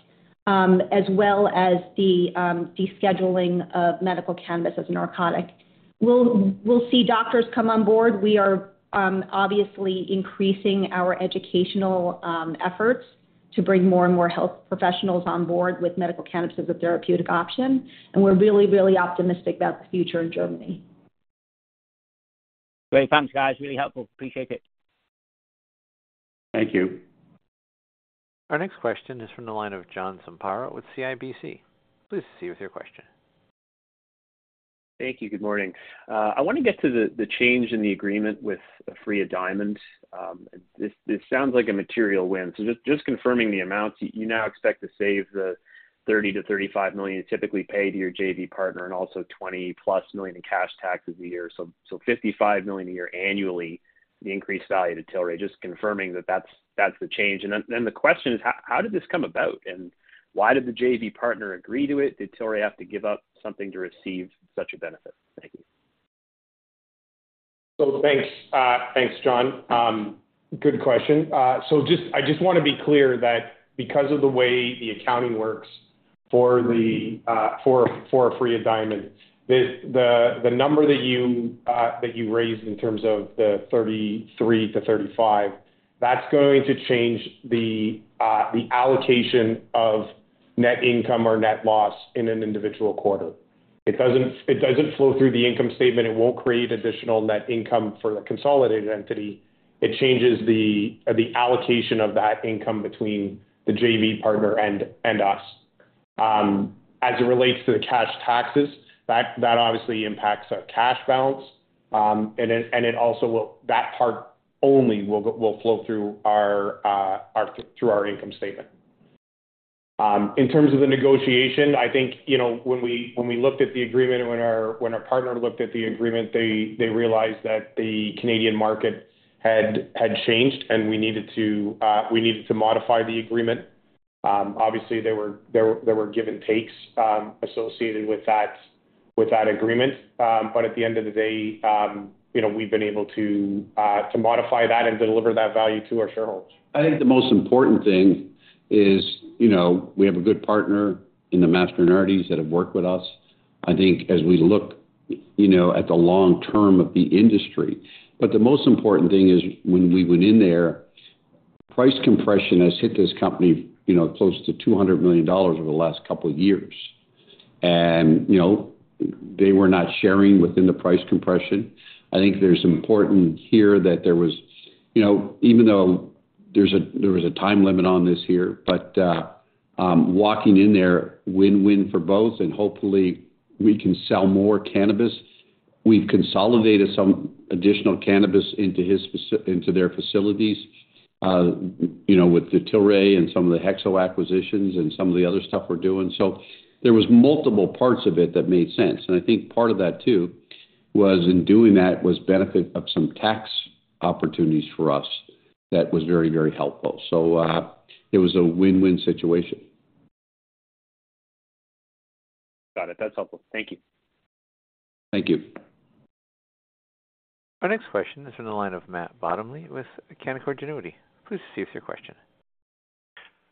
as well as the descheduling of medical cannabis as a narcotic. We'll see doctors come on board. We are obviously increasing our educational efforts.... to bring more and more health professionals on board with medical cannabis as a therapeutic option, and we're really, really optimistic about the future in Germany. Great. Thanks, guys. Really helpful. Appreciate it. Thank you. Our next question is from the line of John Zamparo with CIBC. Please proceed with your question. Thank you. Good morning. I want to get to the change in the agreement with Aphria Diamond. This sounds like a material win. So just confirming the amounts, you now expect to save the $30 million-$35 million typically paid to your JV partner and also $20+ million in cash taxes a year. So $55 million a year annually, the increased value to Tilray. Just confirming that that's the change. And then the question is, how did this come about, and why did the JV partner agree to it? Did Tilray have to give up something to receive such a benefit? Thank you. So thanks. Thanks, John. Good question. So just—I just want to be clear that because of the way the accounting works for the Aphria Diamond, the number that you raised in terms of the 33-35, that's going to change the allocation of net income or net loss in an individual quarter. It doesn't flow through the income statement. It won't create additional net income for the consolidated entity. It changes the allocation of that income between the JV partner and us. As it relates to the cash taxes, that obviously impacts our cash balance, and it also will... That part only will flow through our income statement. In terms of the negotiation, I think, you know, when we looked at the agreement and when our partner looked at the agreement, they realized that the Canadian market had changed, and we needed to modify the agreement. Obviously, there were give-and-takes associated with that agreement. But at the end of the day, you know, we've been able to modify that and deliver that value to our shareholders. I think the most important thing is, you know, we have a good partner in the Mastronardis that have worked with us. I think as we look, you know, at the long term of the industry, but the most important thing is when we went in there, price compression has hit this company, you know, close to $200 million over the last couple of years. And, you know, they were not sharing within the price compression. I think there's important here that there was... You know, even though there was a time limit on this here, but, walking in there, win-win for both, and hopefully we can sell more cannabis. We've consolidated some additional cannabis into their facilities, you know, with the Tilray and some of the HEXO acquisitions and some of the other stuff we're doing. So there was multiple parts of it that made sense, and I think part of that, too, was in doing that, was benefit of some tax opportunities for us. That was very, very helpful. So, it was a win-win situation. Got it. That's helpful. Thank you. Thank you. Our next question is from the line of Matt Bottomley with Canaccord Genuity. Please proceed with your question.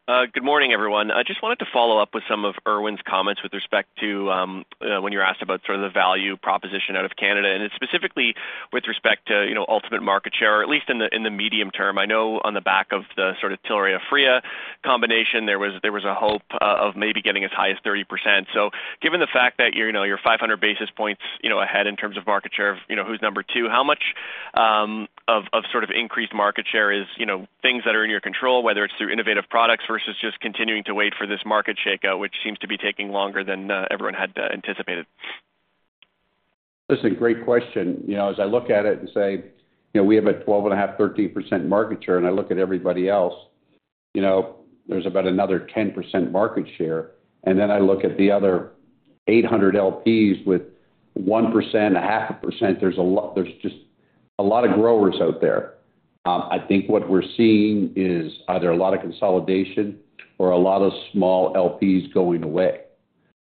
Good morning, everyone. I just wanted to follow up with some of Irwin's comments with respect to when you're asked about sort of the value proposition out of Canada, and it's specifically with respect to, you know, ultimate market share, or at least in the medium term. I know on the back of the sort of Tilray-Aphria combination, there was a hope of maybe getting as high as 30%. So given the fact that, you know, you're 500 basis points, you know, ahead in terms of market share, you know, who's number two, how much of sort of increased market share is, you know, things that are in your control, whether it's through innovative products versus just continuing to wait for this market shakeout, which seems to be taking longer than everyone had anticipated? Listen, great question. You know, as I look at it and say, you know, we have a 12.5-13% market share, and I look at everybody else, you know, there's about another 10% market share, and then I look at the other 800 LPs with 1%, 0.5%. There's a lot. There's just a lot of growers out there. I think what we're seeing is either a lot of consolidation or a lot of small LPs going away.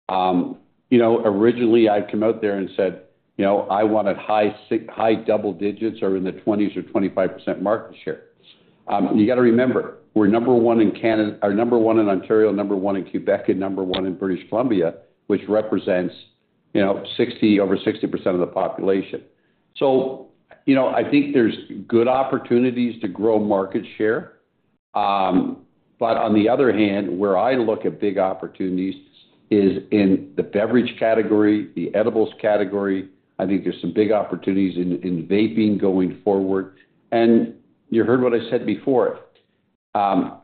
You know, originally, I'd come out there and said, "You know, I want a high double digits or in the 20s or 25% market share." You got to remember, we're number one in Canada, or number one in Ontario, number one in Quebec, and number one in British Columbia, which represents, you know, 60, over 60% of the population. So, you know, I think there's good opportunities to grow market share. But on the other hand, where I look at big opportunities is in the beverage category, the edibles category. I think there's some big opportunities in, in vaping going forward. And you heard what I said before,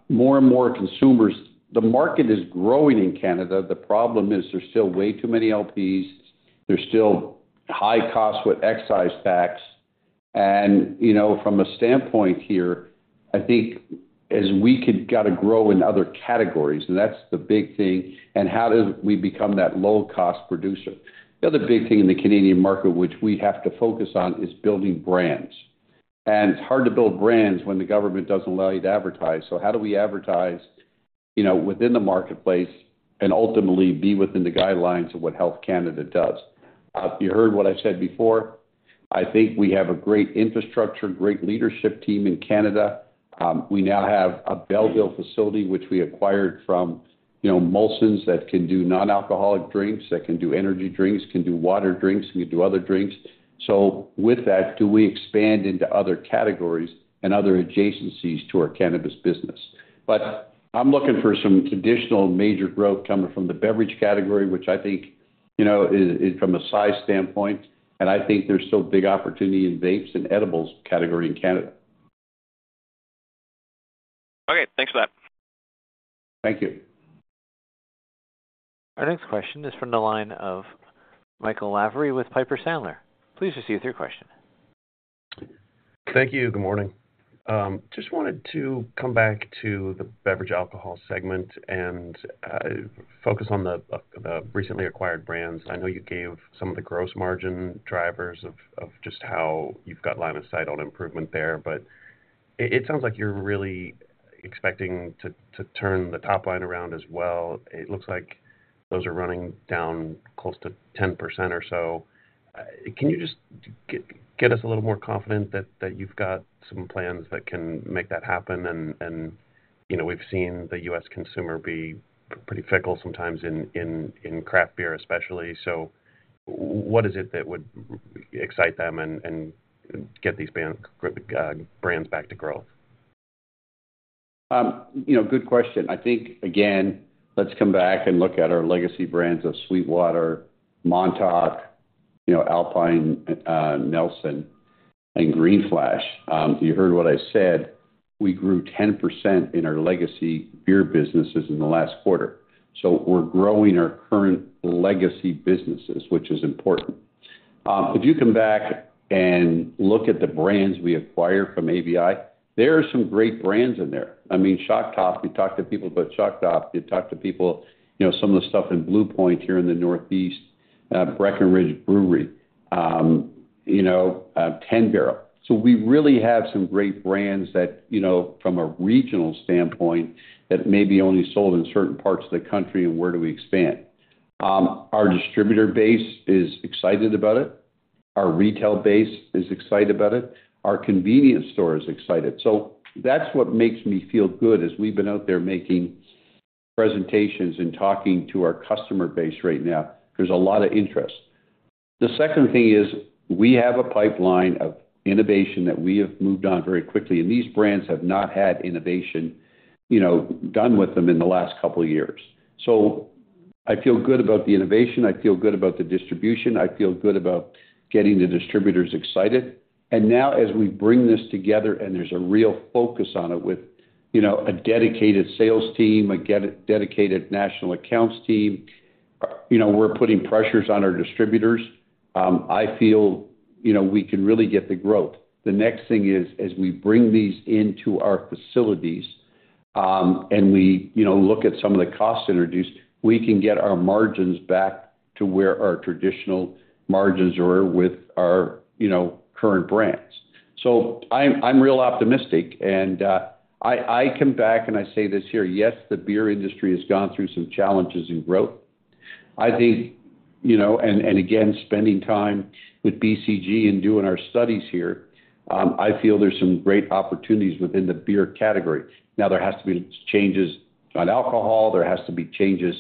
more and more consumers—the market is growing in Canada. The problem is there's still way too many LPs. There's still high costs with excise tax. You know, from a standpoint here, I think as we got to grow in other categories, and that's the big thing, and how do we become that low-cost producer? The other big thing in the Canadian market, which we have to focus on, is building brands. It's hard to build brands when the government doesn't allow you to advertise. So how do we advertise, you know, within the marketplace and ultimately be within the guidelines of what Health Canada does? You heard what I said before. I think we have a great infrastructure, great leadership team in Canada. We now have a Belleville facility, which we acquired from, you know, Molson’s, that can do non-alcoholic drinks, that can do energy drinks, can do water drinks, we do other drinks. So with that, do we expand into other categories and other adjacencies to our cannabis business? But I'm looking for some traditional major growth coming from the beverage category, which I think—you know, from a size standpoint—and I think there's still big opportunity in vapes and edibles category in Canada. Okay, thanks for that. Thank you. Our next question is from the line of Michael Lavery with Piper Sandler. Please proceed with your question. Thank you. Good morning. Just wanted to come back to the Beverage Alcohol segment and focus on the recently acquired brands. I know you gave some of the gross margin drivers of just how you've got line of sight on improvement there, but it sounds like you're really expecting to turn the top line around as well. It looks like those are running down close to 10% or so. Can you just get us a little more confident that you've got some plans that can make that happen? And you know, we've seen the U.S. consumer be pretty fickle sometimes in craft beer, especially. So what is it that would excite them and get these brands back to growth? You know, good question. I think, again, let's come back and look at our legacy brands of SweetWater, Montauk, you know, Alpine, Nelson, and Green Flash. You heard what I said, we grew 10% in our legacy beer businesses in the last quarter. So we're growing our current legacy businesses, which is important. If you come back and look at the brands we acquired from ABI, there are some great brands in there. I mean, Shock Top, we talked to people about Shock Top. We talked to people, you know, some of the stuff in Blue Point here in the Northeast, Breckenridge Brewery, you know, 10 Barrel. So we really have some great brands that, you know, from a regional standpoint, that may be only sold in certain parts of the country and where do we expand? Our distributor base is excited about it. Our retail base is excited about it. Our convenience store is excited. So that's what makes me feel good, is we've been out there making presentations and talking to our customer base right now. There's a lot of interest. The second thing is, we have a pipeline of innovation that we have moved on very quickly, and these brands have not had innovation, you know, done with them in the last couple of years. So I feel good about the innovation, I feel good about the distribution, I feel good about getting the distributors excited. And now as we bring this together and there's a real focus on it with, you know, a dedicated sales team, a dedicated national accounts team, you know, we're putting pressures on our distributors, I feel, you know, we can really get the growth. The next thing is, as we bring these into our facilities, and we, you know, look at some of the costs introduced, we can get our margins back to where our traditional margins are with our, you know, current brands. So I'm real optimistic, and I come back and I say this here: Yes, the beer industry has gone through some challenges in growth. I think, you know, and again, spending time with BCG and doing our studies here, I feel there's some great opportunities within the beer category. Now, there has to be changes on alcohol, there has to be changes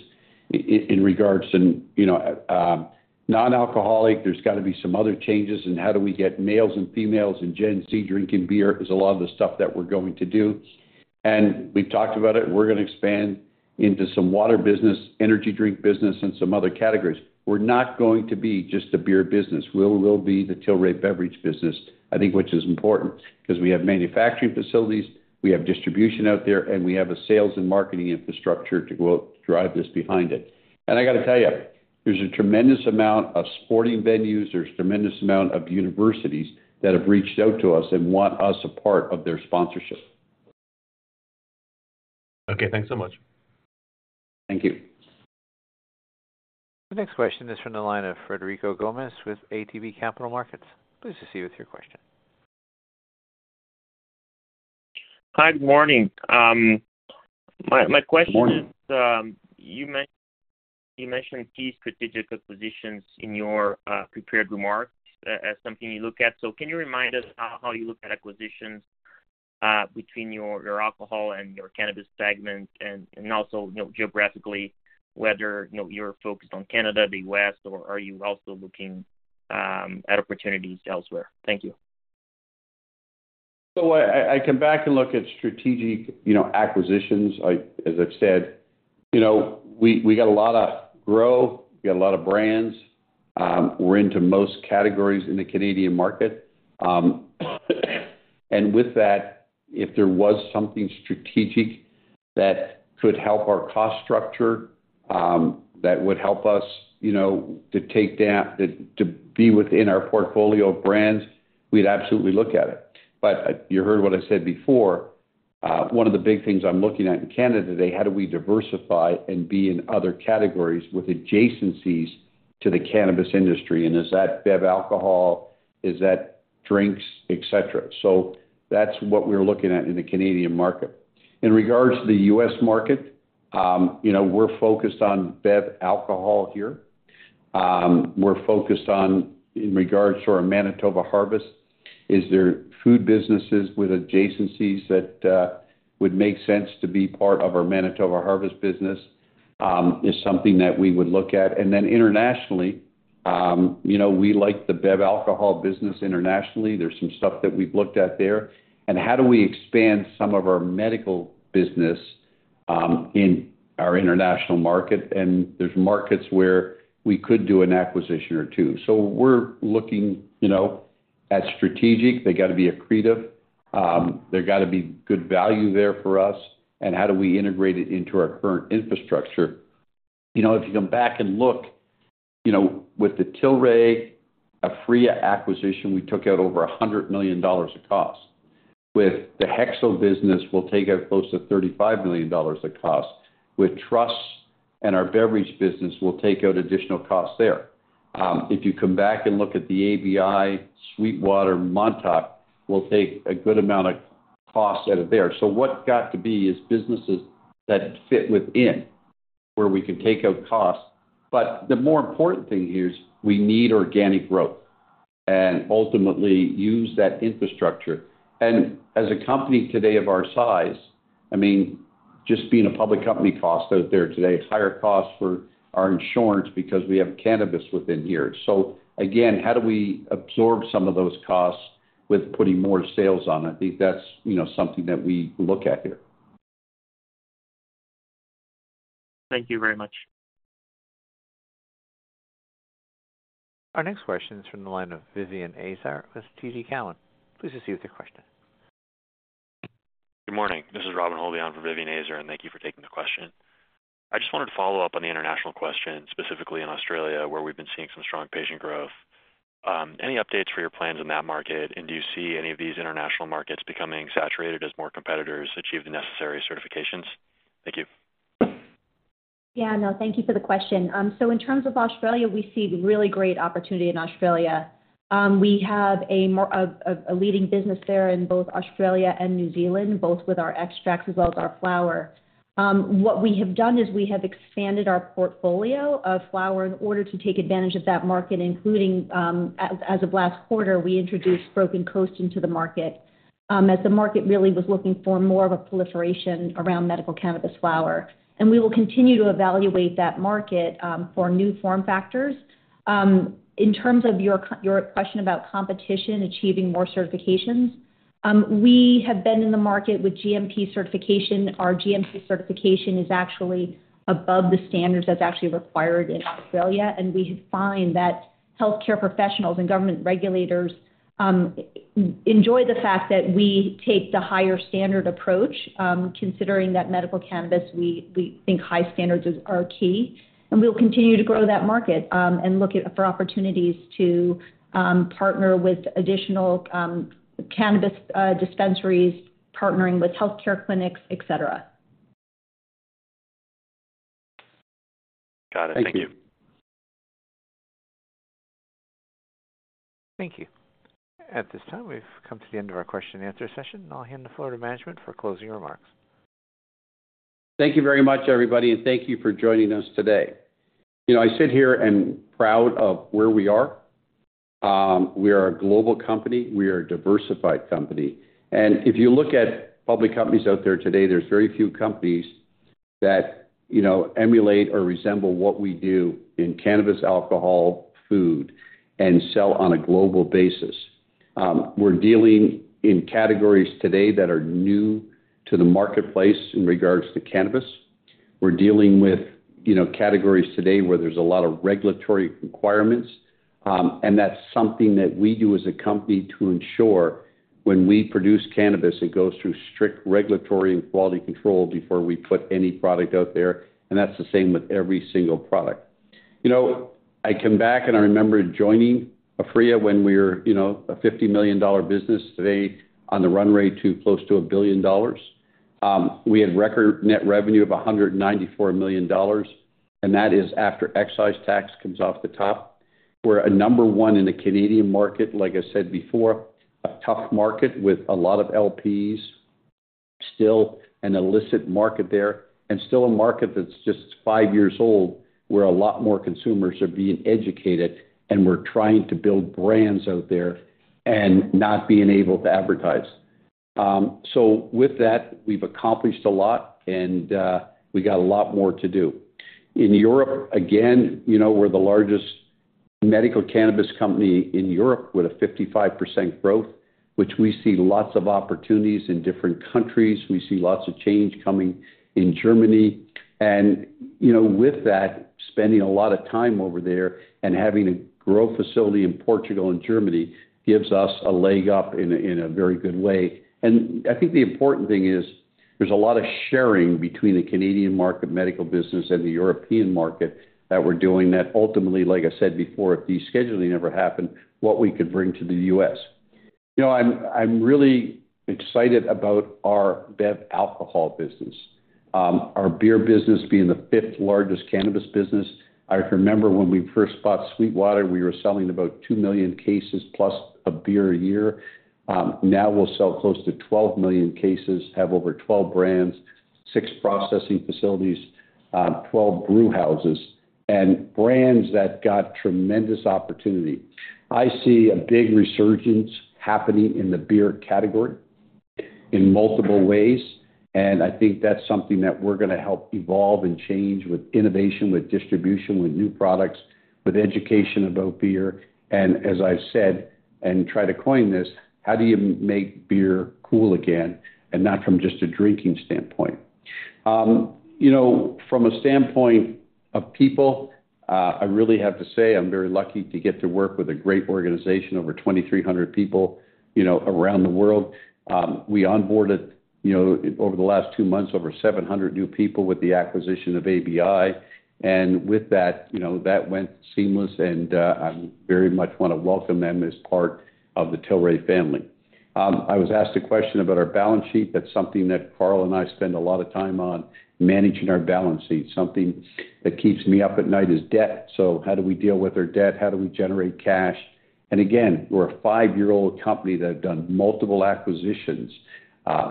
in regards to, you know, non-alcoholic. There's got to be some other changes in how do we get males and females in Gen Z drinking beer, is a lot of the stuff that we're going to do. And we've talked about it, we're going to expand into some water business, energy drink business, and some other categories. We're not going to be just a beer business. We'll, we'll be the Tilray beverage business, I think, which is important because we have manufacturing facilities, we have distribution out there, and we have a sales and marketing infrastructure to go drive this behind it. And I got to tell you, there's a tremendous amount of sporting venues, there's tremendous amount of universities that have reached out to us and want us a part of their sponsorship. Okay, thanks so much. Thank you. The next question is from the line of Frederico Gomes with ATB Capital Markets. Please proceed with your question. Hi, good morning. My question is- Good morning. You mentioned, you mentioned key strategic acquisitions in your prepared remarks as something you look at. So can you remind us how you look at acquisitions between your alcohol and your Cannabis segment? And also, you know, geographically, whether, you know, you're focused on Canada, the West, or are you also looking at opportunities elsewhere? Thank you. So I come back and look at strategic, you know, acquisitions. As I've said, you know, we got a lot of grow, we got a lot of brands. We're into most categories in the Canadian market. And with that, if there was something strategic that could help our cost structure, that would help us, you know, to take down. To be within our portfolio of brands, we'd absolutely look at it. But you heard what I said before, one of the big things I'm looking at in Canada today, how do we diversify and be in other categories with adjacencies to the cannabis industry? And is that bev alcohol? Is that drinks, et cetera? So that's what we're looking at in the Canadian market. In regards to the U.S. market, you know, we're focused on bev alcohol here. We're focused on, in regards to our Manitoba Harvest, is there food businesses with adjacencies that would make sense to be part of our Manitoba Harvest business, is something that we would look at. And then internationally, you know, we like the bev alcohol business internationally. There's some stuff that we've looked at there. And how do we expand some of our medical business in our international market, and there's markets where we could do an acquisition or two. So we're looking, you know, at strategic. They gotta be accretive, there gotta be good value there for us, and how do we integrate it into our current infrastructure? You know, if you come back and look, you know, with the Tilray, Aphria acquisition, we took out over $100 million of cost. With the HEXO business, we'll take out close to $35 million of cost. With Truss and our beverage business, we'll take out additional costs there. If you come back and look at the ABI, SweetWater, Montauk, we'll take a good amount of cost out of there. So what's got to be is businesses that fit within, where we can take out costs. But the more important thing here is we need organic growth and ultimately use that infrastructure. And as a company today of our size, I mean, just being a public company costs out there today, it's higher costs for our insurance because we have cannabis within here. So again, how do we absorb some of those costs with putting more sales on it? I think that's, you know, something that we look at here. Thank you very much. Our next question is from the line of Vivian Azer with TD Cowen. Please proceed with your question. Good morning. This is Robin Holby from Vivian Azer, and thank you for taking the question. I just wanted to follow up on the international question, specifically in Australia, where we've been seeing some strong patient growth. Any updates for your plans in that market? And do you see any of these international markets becoming saturated as more competitors achieve the necessary certifications? Thank you. Yeah, no, thank you for the question. So in terms of Australia, we see really great opportunity in Australia. We have a leading business there in both Australia and New Zealand, both with our extracts as well as our flower. What we have done is we have expanded our portfolio of flower in order to take advantage of that market, including, as of last quarter, we introduced Broken Coast into the market, as the market really was looking for more of a proliferation around medical cannabis flower. And we will continue to evaluate that market, for new form factors. In terms of your question about competition, achieving more certifications, we have been in the market with GMP certification. Our GMP certification is actually above the standards that's actually required in Australia, and we find that healthcare professionals and government regulators enjoy the fact that we take the higher standard approach. Considering that medical cannabis, we think high standards are key, and we'll continue to grow that market, and look at for opportunities to partner with additional cannabis dispensaries, partnering with healthcare clinics, et cetera. Got it. Thank you. Thank you. Thank you. At this time, we've come to the end of our question and answer session, and I'll hand the floor to management for closing remarks. Thank you very much, everybody, and thank you for joining us today. You know, I sit here and proud of where we are. We are a global company. We are a diversified company, and if you look at public companies out there today, there's very few companies that, you know, emulate or resemble what we do in cannabis, alcohol, food, and sell on a global basis. We're dealing in categories today that are new to the marketplace in regards to cannabis. We're dealing with, you know, categories today where there's a lot of regulatory requirements, and that's something that we do as a company to ensure when we produce cannabis, it goes through strict regulatory and quality control before we put any product out there, and that's the same with every single product. You know, I come back, and I remember joining Aphria when we were, you know, a $50 million business. Today, on the run rate to close to $1 billion. We had record net revenue of $194 million, and that is after excise tax comes off the top. We're number one in the Canadian market, like I said before, a tough market with a lot of LPs, still an illicit market there, and still a market that's just 5 years old, where a lot more consumers are being educated, and we're trying to build brands out there and not being able to advertise. So with that, we've accomplished a lot, and we got a lot more to do. In Europe, again, you know, we're the largest medical cannabis company in Europe with a 55% growth, which we see lots of opportunities in different countries. We see lots of change coming in Germany, and, you know, with that, spending a lot of time over there and having a growth facility in Portugal and Germany gives us a leg up in a, in a very good way. And I think the important thing is there's a lot of sharing between the Canadian market medical business and the European market that we're doing that ultimately, like I said before, if descheduling ever happened, what we could bring to the U.S. You know, I'm, I'm really excited about our bev alcohol business. Our beer business being the fifth largest cannabis business. I remember when we first bought SweetWater, we were selling about 2 million cases plus of beer a year. Now we'll sell close to 12 million cases, have over 12 brands, 6 processing facilities, 12 brewhouses, and brands that got tremendous opportunity. I see a big resurgence happening in the beer category in multiple ways, and I think that's something that we're gonna help evolve and change with innovation, with distribution, with new products, with education about beer. And as I've said, and try to coin this: How do you make beer cool again, and not from just a drinking standpoint? You know, from a standpoint of people, I really have to say, I'm very lucky to get to work with a great organization, over 2,300 people, you know, around the world. We onboarded, you know, over the last two months, over 700 new people with the acquisition of ABI, and with that, you know, that went seamless, and I very much want to welcome them as part of the Tilray family. I was asked a question about our balance sheet. That's something that Carl and I spend a lot of time on, managing our balance sheet. Something that keeps me up at night is debt. So how do we deal with our debt? How do we generate cash? And again, we're a five-year-old company that have done multiple acquisitions.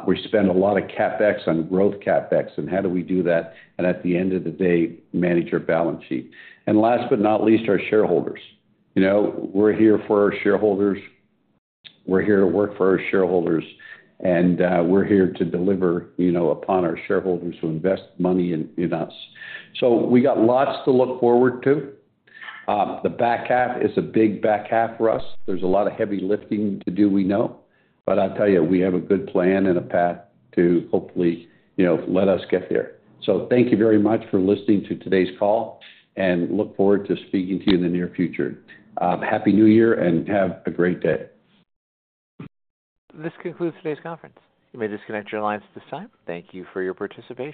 We spend a lot of CapEx on growth CapEx, and how do we do that, and at the end of the day, manage our balance sheet? And last but not least, our shareholders. You know, we're here for our shareholders, we're here to work for our shareholders, and we're here to deliver, you know, upon our shareholders who invest money in, in us. So we got lots to look forward to. The back half is a big back half for us. There's a lot of heavy lifting to do, we know, but I'll tell you, we have a good plan and a path to hopefully, you know, let us get there. So thank you very much for listening to today's call, and look forward to speaking to you in the near future. Happy New Year and have a great day. This concludes today's conference. You may disconnect your lines at this time. Thank you for your participation.